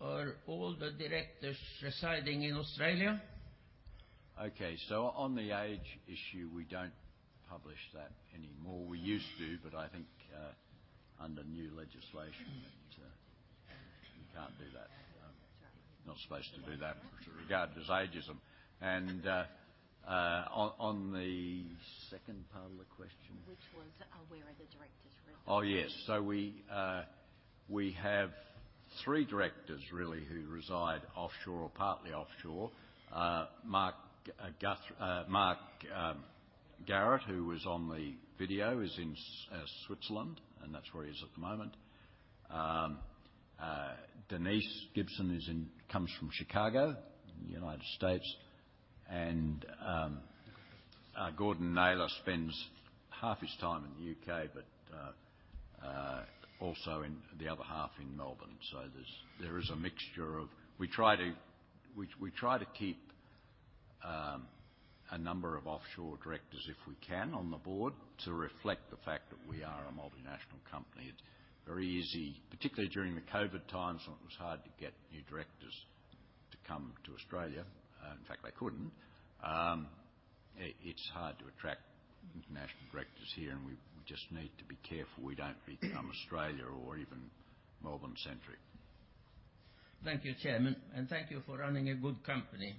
are all the directors residing in Australia? Okay, so on the age issue, we don't publish that anymore. We used to, but I think, under new legislation, that, we can't do that. That's right. Not supposed to do that. It's regarded as ageism. And on the second part of the question? Which was, where are the directors residing? Oh, yes. So we, we have three directors really, who reside offshore or partly offshore. Mark Garrett, who was on the video, is in Switzerland, and that's where he is at the moment. Denise Gibson is in, comes from Chicago, United States. And, Gordon Naylor spends half his time in the UK, but, also in the other half in Melbourne. So there's, there is a mixture of... We try to, we, we try to keep, a number of offshore directors, if we can, on the board to reflect the fact that we are a multinational company. It's very easy, particularly during the COVID times, when it was hard to get new directors to come to Australia, in fact, they couldn't. It's hard to attract international directors here, and we just need to be careful we don't become Australia or even Melbourne centric. Thank you, Chairman, and thank you for running a good company.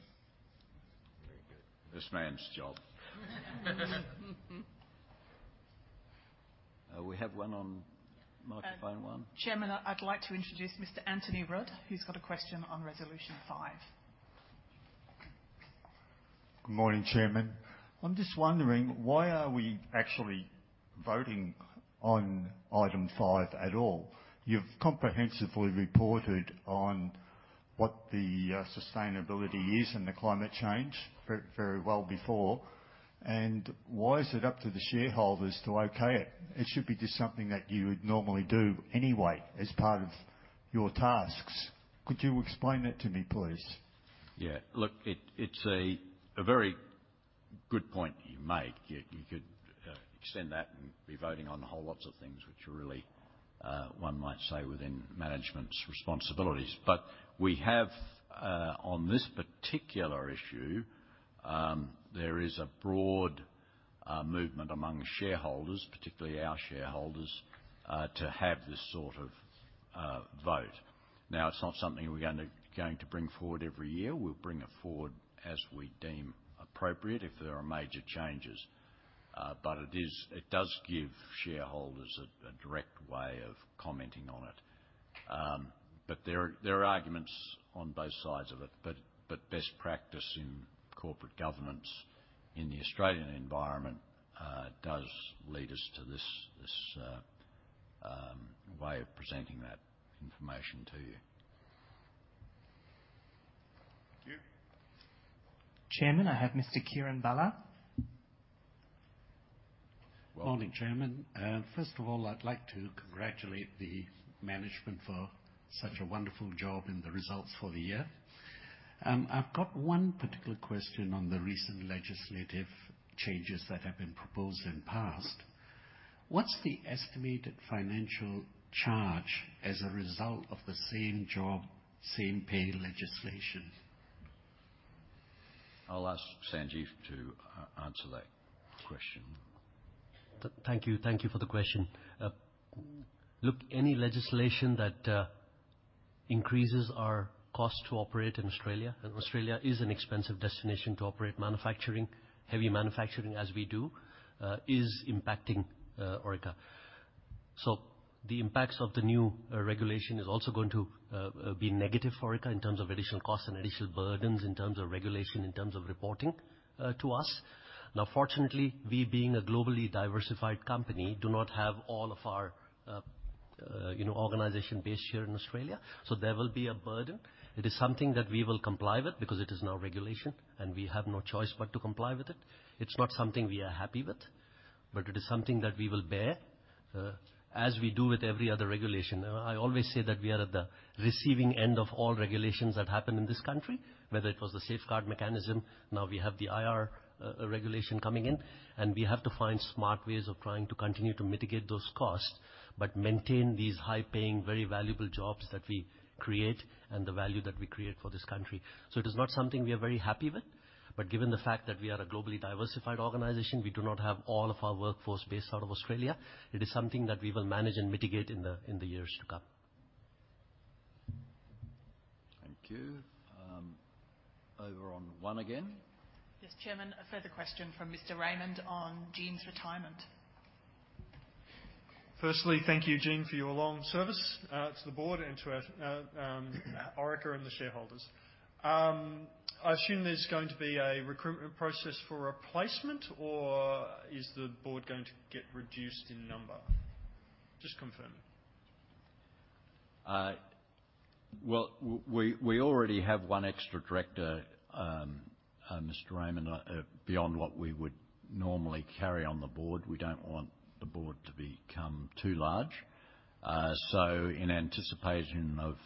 ...This man's job. We have one on microphone one? Chairman, I'd like to introduce Mr. Anthony Rudd, who's got a question on Resolution 5. Good morning, Chairman. I'm just wondering, why are we actually voting on item five at all? You've comprehensively reported on what the sustainability is and the climate change very, very well before. And why is it up to the shareholders to okay it? It should be just something that you would normally do anyway, as part of your tasks. Could you explain that to me, please? Yeah, look, it's a very good point you make. You could extend that and be voting on whole lots of things which are really one might say, within management's responsibilities. But we have on this particular issue, there is a broad movement among shareholders, particularly our shareholders, to have this sort of vote. Now, it's not something we're going to bring forward every year. We'll bring it forward as we deem appropriate if there are major changes. But it is. It does give shareholders a direct way of commenting on it. But there are arguments on both sides of it. But best practice in corporate governance in the Australian environment does lead us to this way of presenting that information to you. Thank you. Chairman, I have Mr. Kieran Bala. Good morning, Chairman. First of all, I'd like to congratulate the management for such a wonderful job in the results for the year. I've got one particular question on the recent legislative changes that have been proposed and passed. What's the estimated financial charge as a result of the Same Job, Same Pay legislation? I'll ask Sanjeev to answer that question. Thank you. Thank you for the question. Look, any legislation that increases our cost to operate in Australia, and Australia is an expensive destination to operate manufacturing, heavy manufacturing as we do, is impacting Orica. So the impacts of the new regulation is also going to be negative for Orica in terms of additional costs and additional burdens, in terms of regulation, in terms of reporting to us. Now, fortunately, we, being a globally diversified company, do not have all of our, you know, organization based here in Australia, so there will be a burden. It is something that we will comply with because it is now regulation, and we have no choice but to comply with it. It's not something we are happy with, but it is something that we will bear, as we do with every other regulation. I always say that we are at the receiving end of all regulations that happen in this country, whether it was the Safeguard Mechanism, now we have the IR regulation coming in. We have to find smart ways of trying to continue to mitigate those costs but maintain these high-paying, very valuable jobs that we create and the value that we create for this country. It is not something we are very happy with, but given the fact that we are a globally diversified organization, we do not have all of our workforce based out of Australia, it is something that we will manage and mitigate in the years to come. Thank you. Over on one again. Yes, Chairman, a further question from Mr. Raymond on Gene's retirement. Firstly, thank you, Gene, for your long service to the board and to Orica and the shareholders. I assume there's going to be a recruitment process for replacement, or is the board going to get reduced in number? Just confirming. Well, we already have one extra director, Mr. Raymond, beyond what we would normally carry on the board. We don't want the board to become too large. So in anticipation of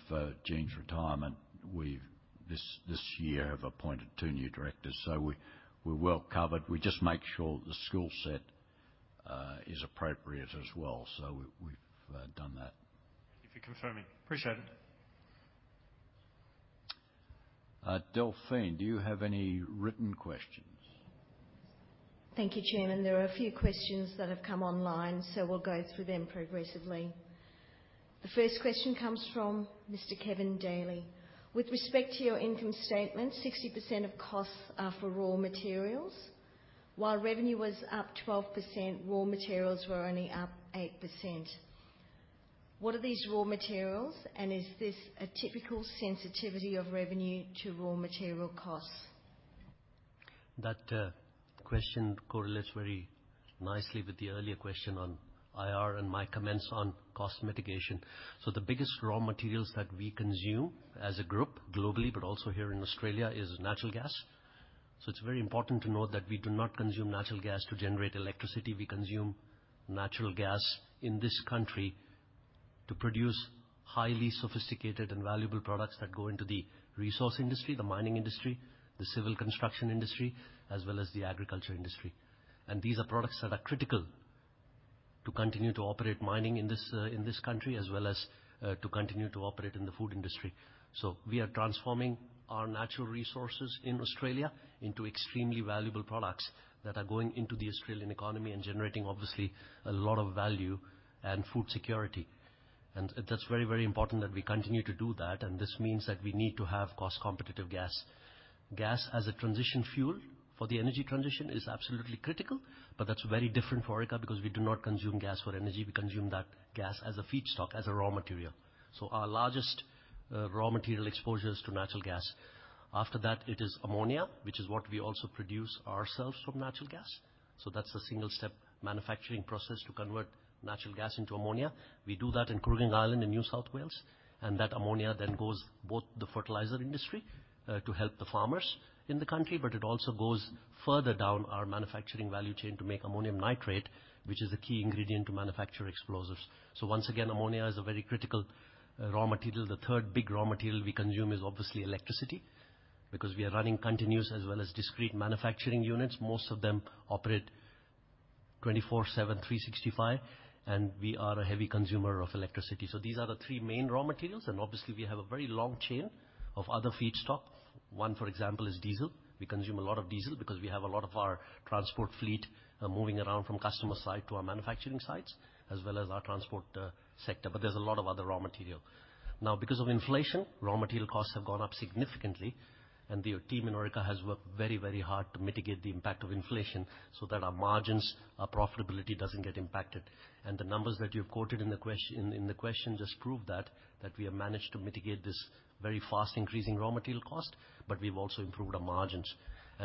Gene's retirement, we've this year have appointed two new directors, so we're well covered. We just make sure the skill set is appropriate as well. So we've done that. Thank you for confirming. Appreciate it. Delphine, do you have any written questions? Thank you, Chairman. There are a few questions that have come online, so we'll go through them progressively. The first question comes from Mr. Kevin Daly: With respect to your income statement, 60% of costs are for raw materials. While revenue was up 12%, raw materials were only up 8%. What are these raw materials, and is this a typical sensitivity of revenue to raw material costs? That question correlates very nicely with the earlier question on IR and my comments on cost mitigation. So the biggest raw materials that we consume as a group, globally, but also here in Australia, is natural gas. So it's very important to note that we do not consume natural gas to generate electricity. We consume natural gas in this country to produce highly sophisticated and valuable products that go into the resource industry, the mining industry, the civil construction industry, as well as the agriculture industry. And these are products that are critical to continue to operate mining in this country, as well as to continue to operate in the food industry. So we are transforming our natural resources in Australia into extremely valuable products that are going into the Australian economy and generating, obviously, a lot of value and food security.... And that's very, very important that we continue to do that, and this means that we need to have cost-competitive gas. Gas as a transition fuel for the energy transition is absolutely critical, but that's very different for Orica because we do not consume gas for energy. We consume that gas as a feedstock, as a raw material. So our largest raw material exposure is to natural gas. After that, it is ammonia, which is what we also produce ourselves from natural gas. So that's a single-step manufacturing process to convert natural gas into ammonia. We do that in Kooragang Island, in New South Wales, and that ammonia then goes both the fertilizer industry to help the farmers in the country, but it also goes further down our manufacturing value chain to make ammonium nitrate, which is a key ingredient to manufacture explosives. So once again, ammonia is a very critical, raw material. The third big raw material we consume is obviously electricity, because we are running continuous as well as discrete manufacturing units. Most of them operate 24/7, 365, and we are a heavy consumer of electricity. So these are the three main raw materials, and obviously, we have a very long chain of other feedstock. One, for example, is diesel. We consume a lot of diesel because we have a lot of our transport fleet, moving around from customer site to our manufacturing sites, as well as our transport, sector. But there's a lot of other raw material. Now, because of inflation, raw material costs have gone up significantly, and the team in Orica has worked very, very hard to mitigate the impact of inflation so that our margins, our profitability, doesn't get impacted. The numbers that you've quoted in the question just prove that we have managed to mitigate this very fast increasing raw material cost, but we've also improved our margins.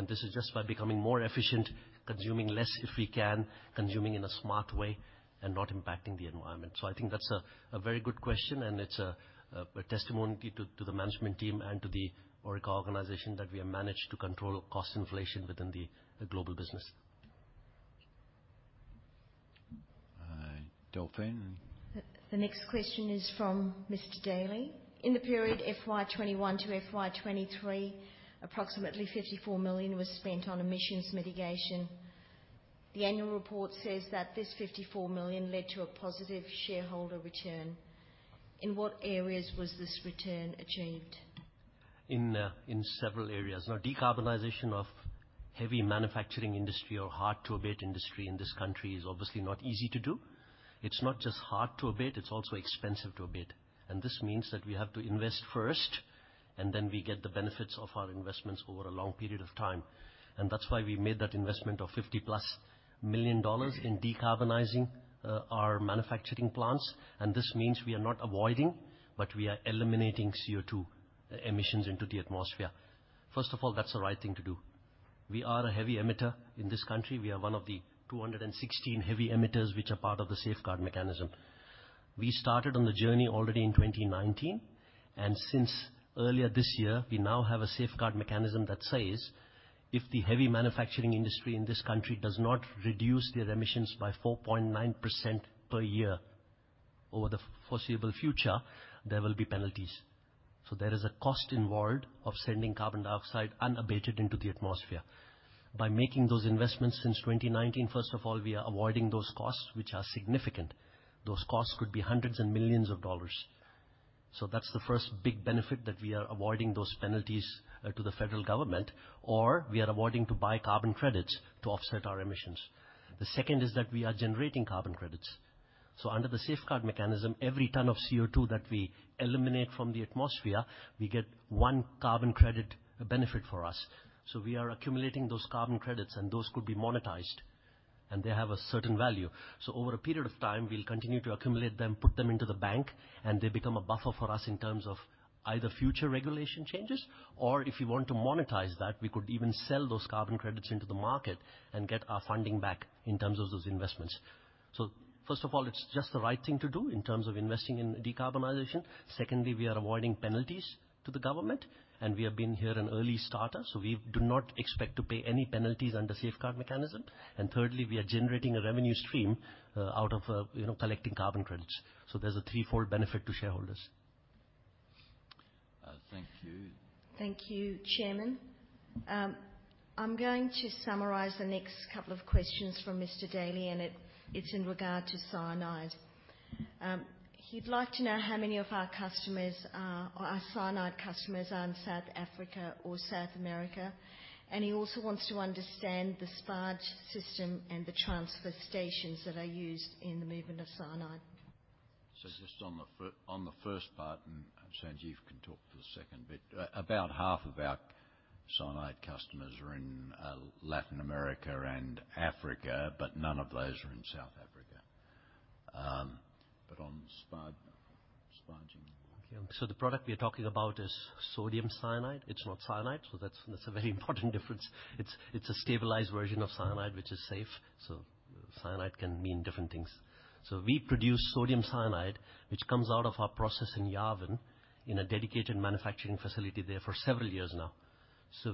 This is just by becoming more efficient, consuming less, if we can, consuming in a smart way, and not impacting the environment. I think that's a very good question, and it's a testimony to the management team and to the Orica organization that we have managed to control cost inflation within the global business. Uh, Delphine? The next question is from Mr. Daly. In the period FY 2021 to FY 2023, approximately 54 million was spent on emissions mitigation. The annual report says that this 54 million led to a positive shareholder return. In what areas was this return achieved? In several areas. Now, decarbonization of heavy manufacturing industry or hard-to-abate industry in this country is obviously not easy to do. It's not just hard to abate, it's also expensive to abate, and this means that we have to invest first, and then we get the benefits of our investments over a long period of time. And that's why we made that investment of 50+ million dollars in decarbonizing our manufacturing plants, and this means we are not avoiding, but we are eliminating CO2 emissions into the atmosphere. First of all, that's the right thing to do. We are a heavy emitter in this country. We are one of the 216 heavy emitters which are part of the Safeguard Mechanism. We started on the journey already in 2019, and since earlier this year, we now have a Safeguard Mechanism that says, if the heavy manufacturing industry in this country does not reduce their emissions by 4.9% per year over the foreseeable future, there will be penalties. So there is a cost involved of sending carbon dioxide unabated into the atmosphere. By making those investments since 2019, first of all, we are avoiding those costs, which are significant. Those costs could be hundreds and millions of AUD. So that's the first big benefit, that we are avoiding those penalties to the federal government, or we are avoiding to buy carbon credits to offset our emissions. The second is that we are generating carbon credits. So under the Safeguard Mechanism, every ton of CO2 that we eliminate from the atmosphere, we get one carbon credit benefit for us. So we are accumulating those carbon credits, and those could be monetized, and they have a certain value. So over a period of time, we'll continue to accumulate them, put them into the bank, and they become a buffer for us in terms of either future regulation changes or, if we want to monetize that, we could even sell those carbon credits into the market and get our funding back in terms of those investments. So first of all, it's just the right thing to do in terms of investing in decarbonization. Secondly, we are avoiding penalties to the government, and we have been here an early starter, so we do not expect to pay any penalties under Safeguard Mechanism. Thirdly, we are generating a revenue stream, out of, you know, collecting carbon credits. There's a threefold benefit to shareholders. Thank you. Thank you, Chairman. I'm going to summarize the next couple of questions from Mr. Daly, and it's in regard to cyanide. He'd like to know how many of our customers are cyanide customers in South Africa or South America, and he also wants to understand the sparge system and the transfer stations that are used in the movement of cyanide. So just on the first part, and Sanjeev can talk to the second bit. About half of our cyanide customers are in Latin America and Africa, but none of those are in South Africa. But on sparge, sparging. The product we are talking about is sodium cyanide. It's not cyanide, so that's, that's a very important difference. It's, it's a stabilized version of cyanide, which is safe. Cyanide can mean different things. We produce sodium cyanide, which comes out of our process in Yarwun, in a dedicated manufacturing facility there for several years now.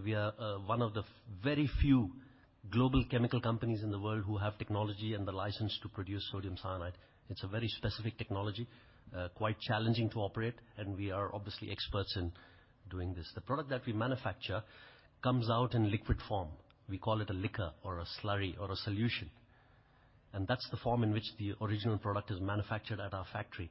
We are one of the very few global chemical companies in the world who have technology and the license to produce sodium cyanide. It's a very specific technology, quite challenging to operate, and we are obviously experts in doing this. The product that we manufacture comes out in liquid form. We call it a liquor or a slurry or a solution, and that's the form in which the original product is manufactured at our factory.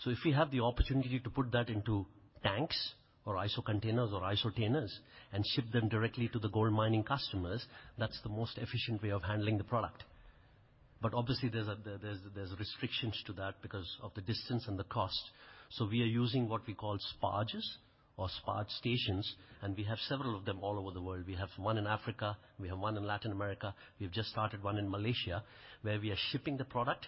So if we have the opportunity to put that into tanks or ISO containers or Isotainers and ship them directly to the gold mining customers, that's the most efficient way of handling the product. But obviously, there's restrictions to that because of the distance and the cost. So we are using what we call sparges or sparge stations, and we have several of them all over the world. We have one in Africa, we have one in Latin America. We've just started one in Malaysia, where we are shipping the product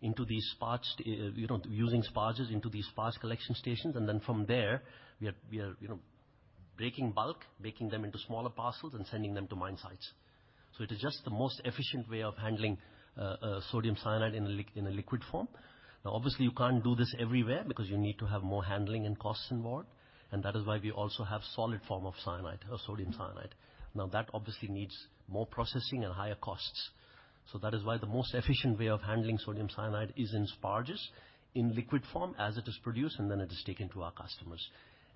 into these sparges, you know, using sparges into these sparge collection stations, and then from there, we are breaking bulk, breaking them into smaller parcels and sending them to mine sites. So it is just the most efficient way of handling sodium cyanide in a liquid form. Now, obviously, you can't do this everywhere because you need to have more handling and costs involved, and that is why we also have solid form of cyanide or sodium cyanide. Now, that obviously needs more processing and higher costs. So that is why the most efficient way of handling sodium cyanide is in sparges, in liquid form as it is produced, and then it is taken to our customers.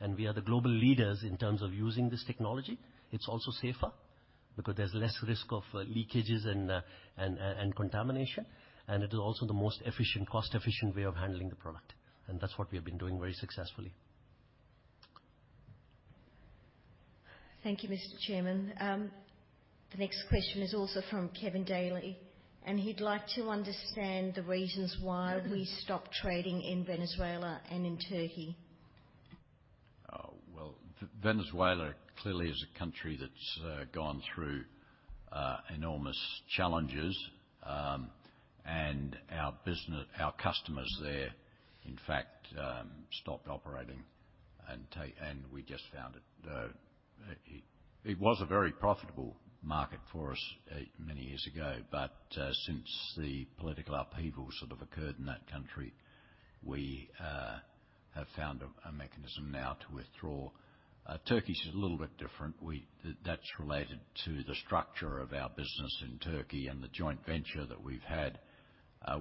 And we are the global leaders in terms of using this technology. It's also safer because there's less risk of leakages and contamination, and it is also the most efficient, cost-efficient way of handling the product, and that's what we have been doing very successfully. Thank you, Mr. Chairman. The next question is also from Kevin Daly, and he'd like to understand the reasons why we stopped trading in Venezuela and in Turkey. Well, Venezuela clearly is a country that's gone through enormous challenges. And our business, our customers there, in fact, stopped operating, and we just found it... It was a very profitable market for us many years ago. But since the political upheaval sort of occurred in that country, we have found a mechanism now to withdraw. Turkey is a little bit different. That's related to the structure of our business in Turkey and the joint venture that we've had,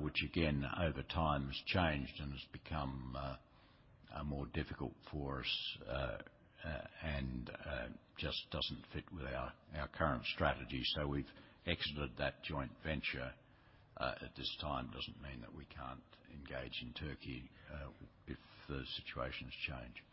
which again, over time has changed and has become more difficult for us, and just doesn't fit with our current strategy. So we've exited that joint venture. At this time, it doesn't mean that we can't engage in Turkey if the situations change.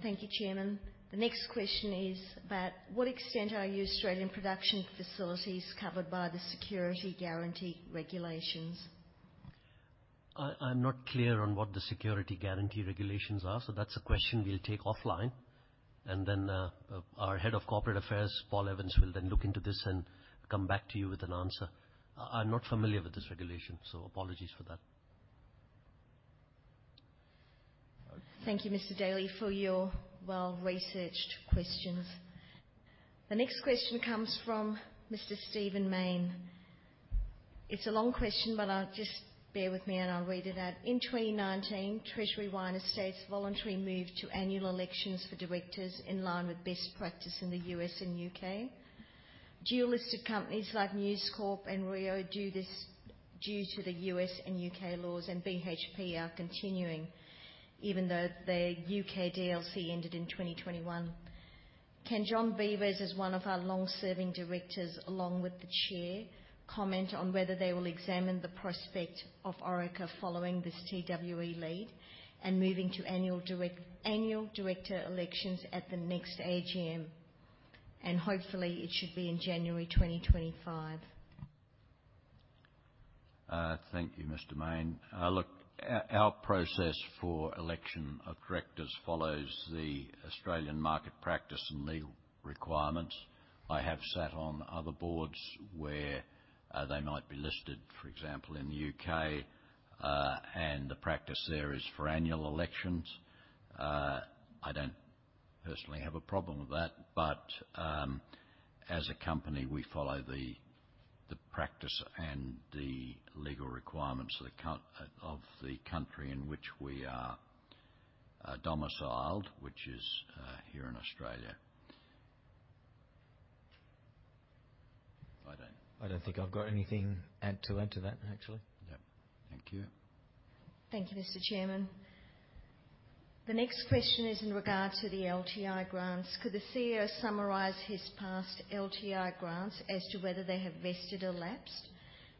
Thank you, Chairman. The next question is: about what extent are your Australian production facilities covered by the security guarantee regulations? I'm not clear on what the security guarantee regulations are, so that's a question we'll take offline, and then our Head of Corporate Affairs, Paul Evans, will then look into this and come back to you with an answer. I'm not familiar with this regulation, so apologies for that. Thank you, Mr. Daly, for your well-researched questions. The next question comes from Mr. Stephen Mayne. It's a long question, but I'll just bear with me, and I'll read it out. "In 2019, Treasury Wine Estates voluntarily moved to annual elections for directors in line with best practice in the U.S. and U.K. Dual-listed companies like News Corp and Rio do this due to the U.S. and U.K. laws, and BHP are continuing, even though their U.K. DLC ended in 2021. Can John Beevers, as one of our long-serving directors, along with the chair, comment on whether they will examine the prospect of Orica following this TWE lead and moving to annual direct, annual director elections at the next AGM? And hopefully, it should be in January 2025. Thank you, Mr. Main. Look, our process for election of directors follows the Australian market practice and legal requirements. I have sat on other boards where they might be listed, for example, in the UK, and the practice there is for annual elections. I don't personally have a problem with that, but as a company, we follow the practice and the legal requirements of the country in which we are domiciled, which is here in Australia. I don't- I don't think I've got anything to add to that, actually. Yeah. Thank you. Thank you, Mr. Chairman. The next question is in regard to the LTI grants. Could the CEO summarize his past LTI grants as to whether they have vested or lapsed?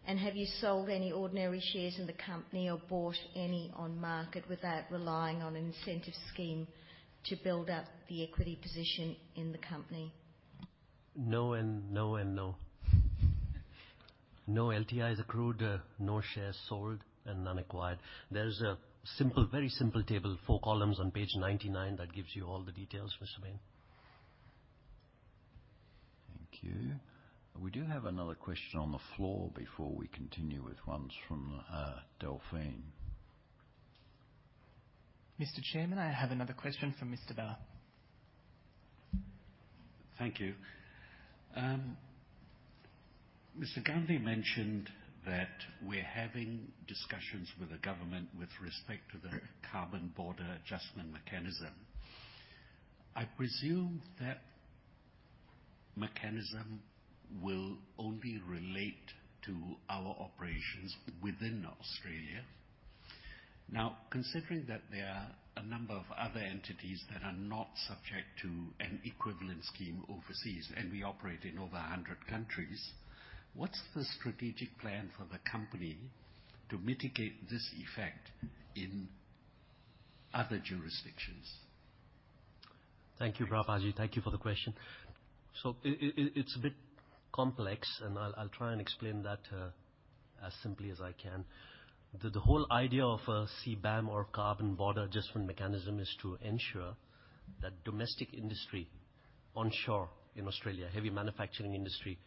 And have you sold any ordinary shares in the company or bought any on market without relying on an incentive scheme to build up the equity position in the company? No and no and no. No LTIs accrued, no shares sold, and none acquired. There's a simple, very simple table, 4 columns on page 99 that gives you all the details, Mr. Main. Thank you. We do have another question on the floor before we continue with ones from Delphine. Mr. Chairman, I have another question from Mr. Bala. Thank you. Mr. Gandhi mentioned that we're having discussions with the government with respect to the Carbon Border Adjustment Mechanism. I presume that mechanism will only relate to our operations within Australia. Now, considering that there are a number of other entities that are not subject to an equivalent scheme overseas, and we operate in over a hundred countries, what's the strategic plan for the company to mitigate this effect in other jurisdictions?... Thank you, Bala. Thank you for the question. So it's a bit complex, and I'll try and explain that as simply as I can. The whole idea of a CBAM or Carbon Border Adjustment Mechanism is to ensure that domestic industry onshore in Australia, heavy manufacturing industry,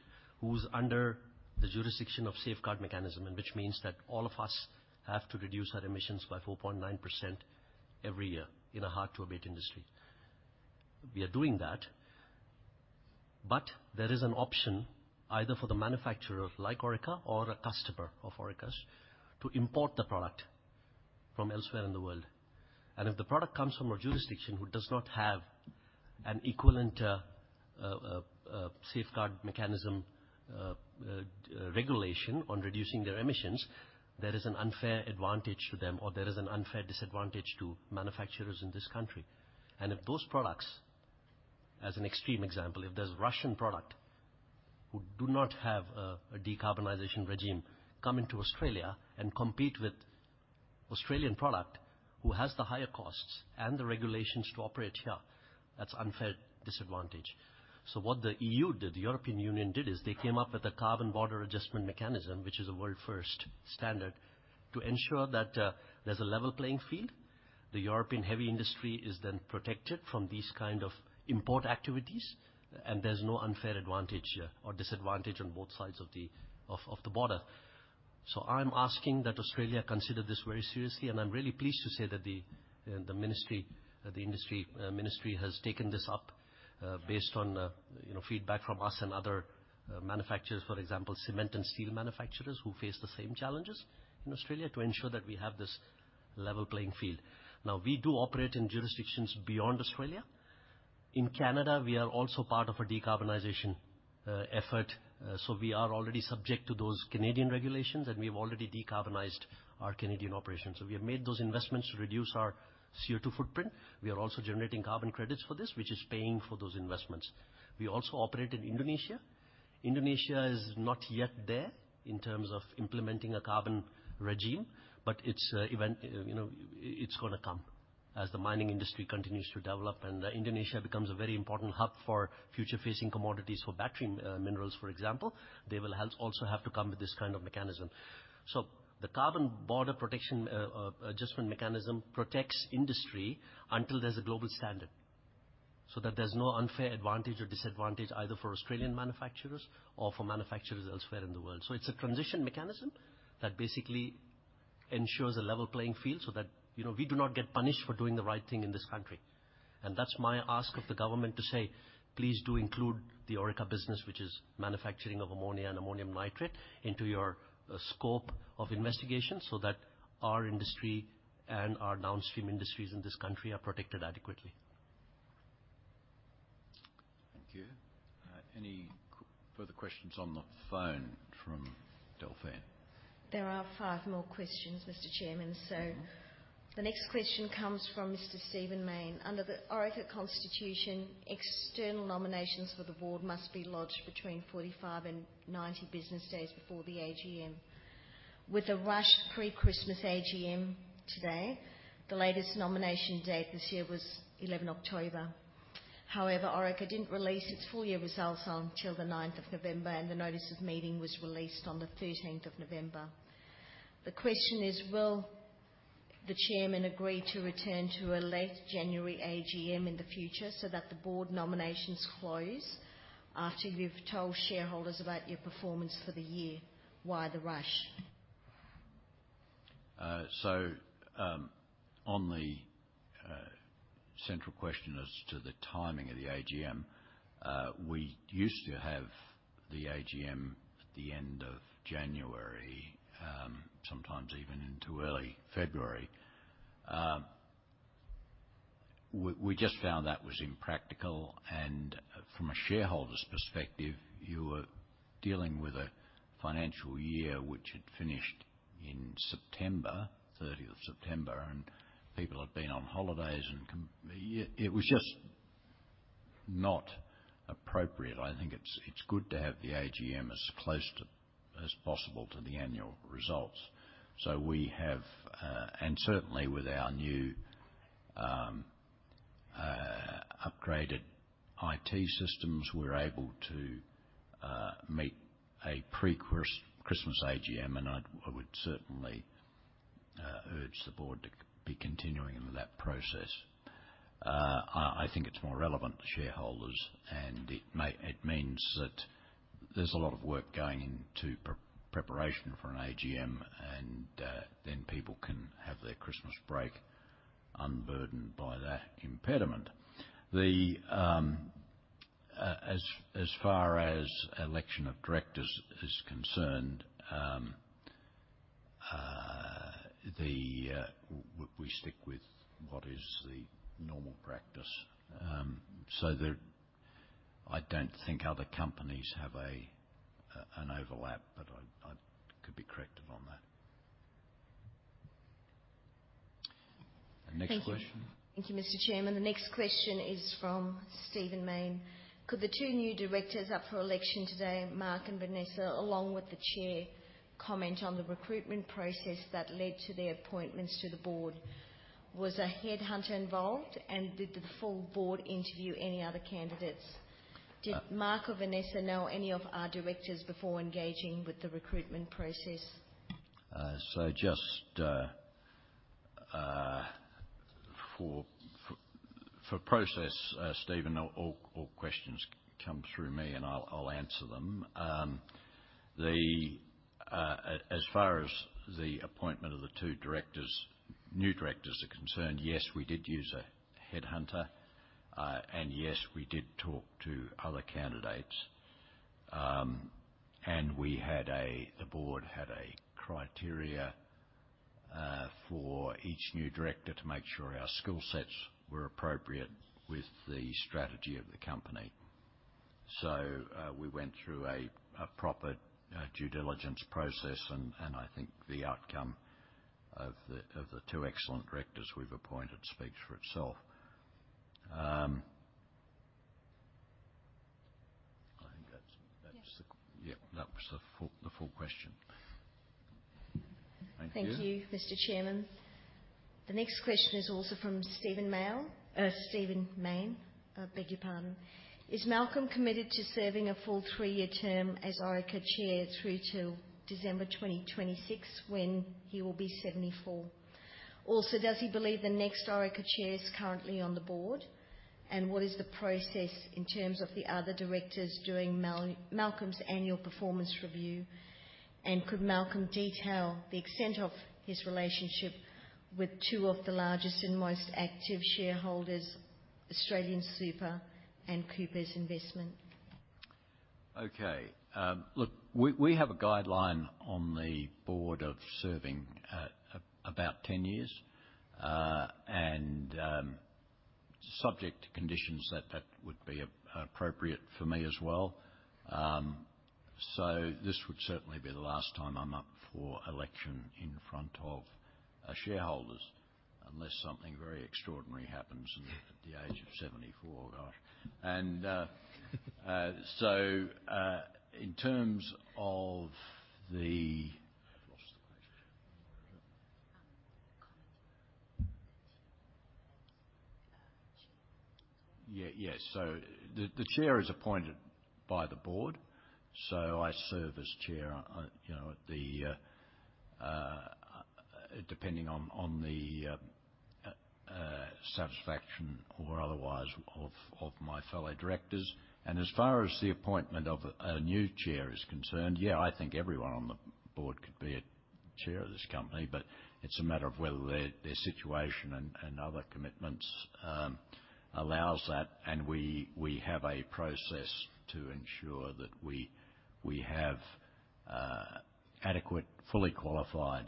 who's under the jurisdiction of safeguard mechanism, and which means that all of us have to reduce our emissions by 4.9% every year in a hard-to-abate industry. We are doing that, but there is an option either for the manufacturer, like Orica, or a customer of Orica's, to import the product from elsewhere in the world. And if the product comes from a jurisdiction who does not have an equivalent, safeguard mechanism, regulation on reducing their emissions, there is an unfair advantage to them, or there is an unfair disadvantage to manufacturers in this country. And if those products, as an extreme example, if there's Russian product who do not have a, a decarbonization regime, come into Australia and compete with Australian product, who has the higher costs and the regulations to operate here, that's unfair disadvantage. So what the EU did, the European Union did, is they came up with a Carbon Border Adjustment Mechanism, which is a world-first standard, to ensure that, there's a level playing field. The European heavy industry is then protected from these kind of import activities, and there's no unfair advantage or disadvantage on both sides of the, of, of the border. So I'm asking that Australia consider this very seriously, and I'm really pleased to say that the industry ministry has taken this up, based on, you know, feedback from us and other manufacturers, for example, cement and steel manufacturers who face the same challenges in Australia, to ensure that we have this level playing field. Now, we do operate in jurisdictions beyond Australia. In Canada, we are also part of a decarbonization effort, so we are already subject to those Canadian regulations, and we have already decarbonized our Canadian operations. So we have made those investments to reduce our CO2 footprint. We are also generating carbon credits for this, which is paying for those investments. We also operate in Indonesia. Indonesia is not yet there in terms of implementing a carbon regime, but it's event... You know, it's gonna come. As the mining industry continues to develop and Indonesia becomes a very important hub for future-facing commodities, for battery minerals, for example, they will hence also have to come with this kind of mechanism. So the Carbon Border Adjustment Mechanism protects industry until there's a global standard, so that there's no unfair advantage or disadvantage either for Australian manufacturers or for manufacturers elsewhere in the world. So it's a transition mechanism that basically ensures a level playing field so that, you know, we do not get punished for doing the right thing in this country. And that's my ask of the government to say: Please do include the Orica business, which is manufacturing of ammonia and ammonium nitrate, into your scope of investigation so that our industry and our downstream industries in this country are protected adequately. Thank you. Any further questions on the phone from Delphine? There are five more questions, Mr. Chairman. Mm-hmm. So the next question comes from Mr. Stphen Mayne: Under the Orica Constitution, external nominations for the board must be lodged between 45 and 90 business days before the AGM. With a rush pre-Christmas AGM today, the latest nomination date this year was 11th October. However, Orica didn't release its full-year results until the 9th of November, and the notice of meeting was released on the 13th of November. The question is: Will the chairman agree to return to a late January AGM in the future so that the board nominations close after you've told shareholders about your performance for the year? Why the rush? So, on the central question as to the timing of the AGM, we used to have the AGM at the end of January, sometimes even into early February. We just found that was impractical, and from a shareholder's perspective, you were dealing with a financial year which had finished in September 30, and people had been on holidays, and it was just not appropriate. I think it's good to have the AGM as close to as possible to the annual results. So we have... And certainly, with our new upgraded IT systems, we're able to meet a pre-Christmas AGM, and I would certainly urge the board to be continuing with that process. I think it's more relevant to shareholders, and it means that there's a lot of work going into preparation for an AGM, and then people can have their Christmas break unburdened by that impediment. As far as election of directors is concerned, we stick with what is the normal practice. So, I don't think other companies have an overlap, but I could be corrected on that. The next question? Thank you. Thank you, Mr. Chairman. The next question is from Stphen Mayne. Could the two new directors up for election today, Mark and Vanessa, along with the chair, comment on the recruitment process that led to their appointments to the board? Was a headhunter involved, and did the full board interview any other candidates? Did Mark or Vanessa know any of our directors before engaging with the recruitment process? So just for process, Steven, all questions come through me, and I'll answer them. As far as the appointment of the two directors, new directors are concerned, yes, we did use a headhunter. And yes, we did talk to other candidates. And the board had a criteria for each new director to make sure our skill sets were appropriate with the strategy of the company. So, we went through a proper due diligence process, and I think the outcome of the two excellent directors we've appointed speaks for itself. I think that's the- Yes. Yep, that was the full, the full question. Thank you. Thank you, Mr. Chairman. The next question is also from Steven Male, Stphen Mayne, I beg your pardon. Is Malcolm committed to serving a full 3-year term as Orica chair through to December 2026, when he will be 74? Also, does he believe the next Orica chair is currently on the board? And what is the process in terms of the other directors doing Malcolm's annual performance review? And could Malcolm detail the extent of his relationship with two of the largest and most active shareholders, AustralianSuper and Cooper Investors? Okay, look, we have a guideline on the board of serving at about 10 years. And, subject to conditions, that would be appropriate for me as well. So this would certainly be the last time I'm up for election in front of our shareholders, unless something very extraordinary happens, and at the age of 74, gosh. And, so, in terms of the... I've lost the question. Um, comment. Yeah. Yes, so the chair is appointed by the board, so I serve as chair, you know, depending on the satisfaction or otherwise of my fellow directors. As far as the appointment of a new chair is concerned, yeah, I think everyone on the board could be a chair of this company, but it's a matter of whether their situation and other commitments allows that. And we have a process to ensure that we have adequate, fully qualified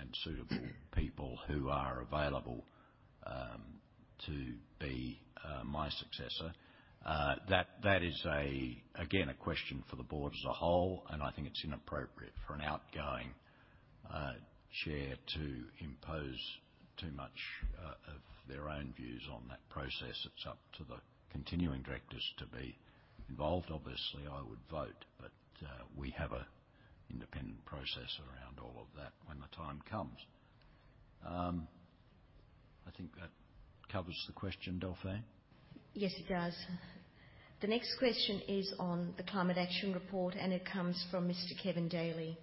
and suitable people who are available to be my successor. That is again a question for the board as a whole, and I think it's inappropriate for an outgoing chair to impose too much of their own views on that process. It's up to the continuing directors to be involved. Obviously, I would vote, but we have a independent process around all of that when the time comes. I think that covers the question, Delphine? Yes, it does. The next question is on the Climate Action report, and it comes from Mr. Kevin Daly.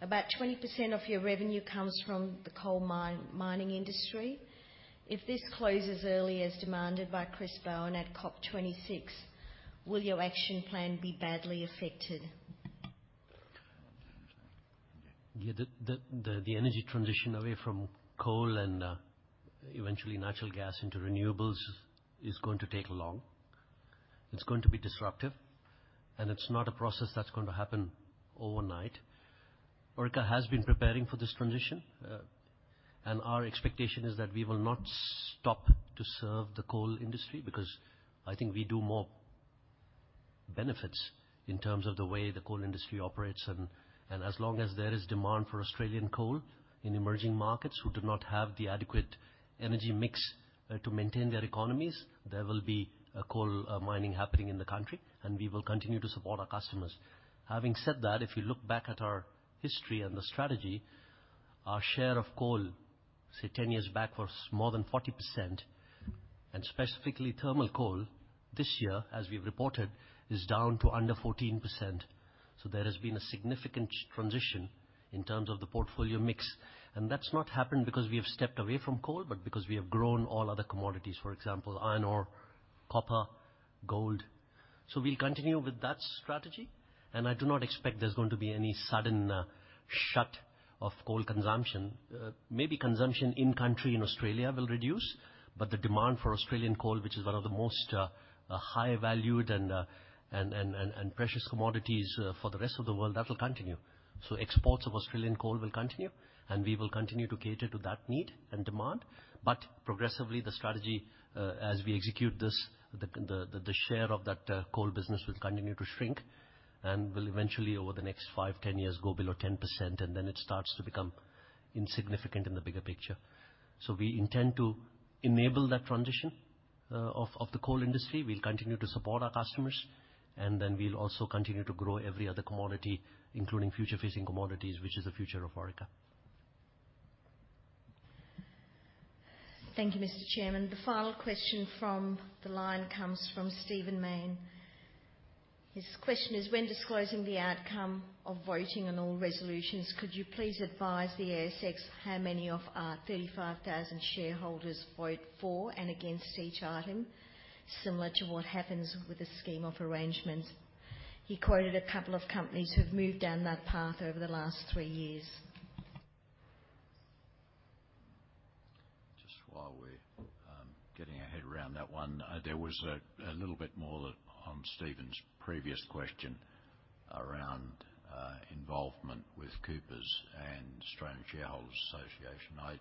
About 20% of your revenue comes from the coal mine, mining industry. If this closes early, as demanded by Chris Bowen at COP 26, will your action plan be badly affected? Yeah, the energy transition away from coal and eventually natural gas into renewables is going to take long. It's going to be disruptive, and it's not a process that's going to happen overnight. Orica has been preparing for this transition, and our expectation is that we will not stop to serve the coal industry, because I think we do more benefits in terms of the way the coal industry operates. And as long as there is demand for Australian coal in emerging markets who do not have the adequate energy mix to maintain their economies, there will be a coal mining happening in the country, and we will continue to support our customers. Having said that, if you look back at our history and the strategy, our share of coal, say, 10 years back, was more than 40%, and specifically thermal coal. This year, as we've reported, is down to under 14%. So there has been a significant transition in terms of the portfolio mix, and that's not happened because we have stepped away from coal, but because we have grown all other commodities, for example, iron ore, copper, gold. So we'll continue with that strategy, and I do not expect there's going to be any sudden shut of coal consumption. Maybe consumption in country, in Australia, will reduce, but the demand for Australian coal, which is one of the most high valued and precious commodities for the rest of the world, that will continue. So exports of Australian coal will continue, and we will continue to cater to that need and demand. But progressively, the strategy, as we execute this, the share of that coal business will continue to shrink and will eventually, over the next 5, 10 years, go below 10%, and then it starts to become insignificant in the bigger picture. So we intend to enable that transition of the coal industry. We'll continue to support our customers, and then we'll also continue to grow every other commodity, including future-facing commodities, which is the future of Orica. Thank you, Mr. Chairman. The final question from the line comes from Stphen Mayne. His question is: "When disclosing the outcome of voting on all resolutions, could you please advise the ASX how many of our 35,000 shareholders vote for and against each item, similar to what happens with a scheme of arrangements?" He quoted a couple of companies who've moved down that path over the last three years. Just while we're getting our head around that one, there was a little bit more that on Steven's previous question around involvement with Cooper Investors and Australian Shareholders Association.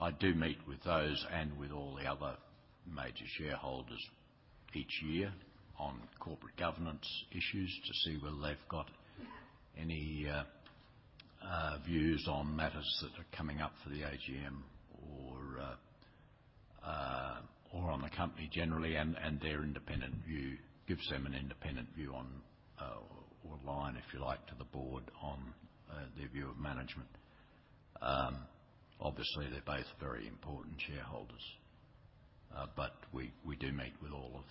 I do meet with those and with all the other major shareholders each year on corporate governance issues to see whether they've got any views on matters that are coming up for the AGM or or on the company generally, and their independent view. Gives them an independent view on or line, if you like, to the board on their view of management. Obviously, they're both very important shareholders, but we do meet with all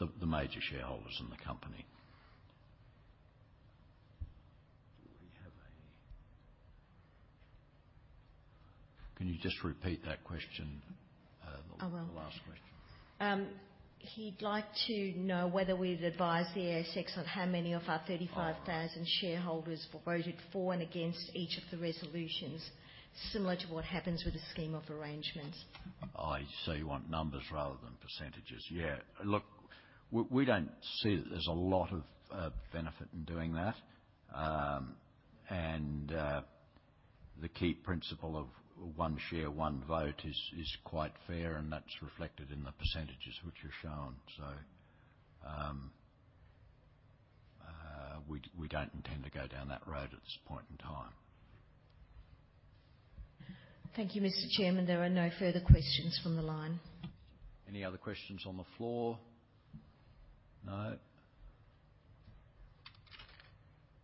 of the major shareholders in the company. Do we have a Can you just repeat that question I will. The last question. He'd like to know whether we'd advise the ASX on how many of our 35- Oh. 1,000 shareholders voted for and against each of the resolutions, similar to what happens with a scheme of arrangements. Ah, so you want numbers rather than percentages? Yeah. Look, we, we don't see that there's a lot of benefit in doing that. And the key principle of one share, one vote is quite fair, and that's reflected in the percentages which are shown. So, we, we don't intend to go down that road at this point in time. Thank you, Mr. Chairman. There are no further questions from the line. Any other questions on the floor? No.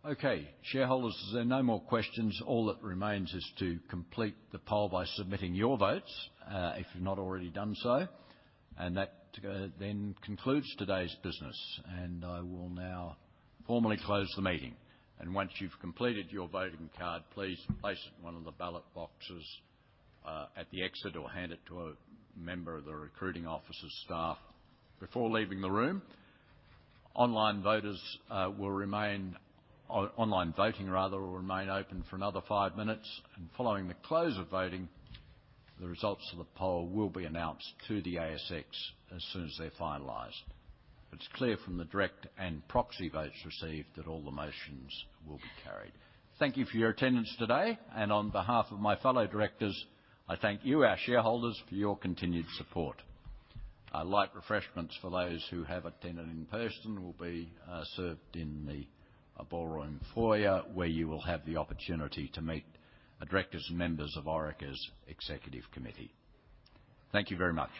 Okay, shareholders, as there are no more questions, all that remains is to complete the poll by submitting your votes, if you've not already done so, and that then concludes today's business. And I will now formally close the meeting. And once you've completed your voting card, please place it in one of the ballot boxes at the exit or hand it to a member of the returning officer's staff before leaving the room. Online voting, rather, will remain open for another 5 minutes, and following the close of voting, the results of the poll will be announced to the ASX as soon as they're finalized. It's clear from the direct and proxy votes received that all the motions will be carried. Thank you for your attendance today, and on behalf of my fellow directors, I thank you, our shareholders, for your continued support. Light refreshments for those who have attended in person will be served in the ballroom foyer, where you will have the opportunity to meet the directors and members of Orica's executive committee. Thank you very much.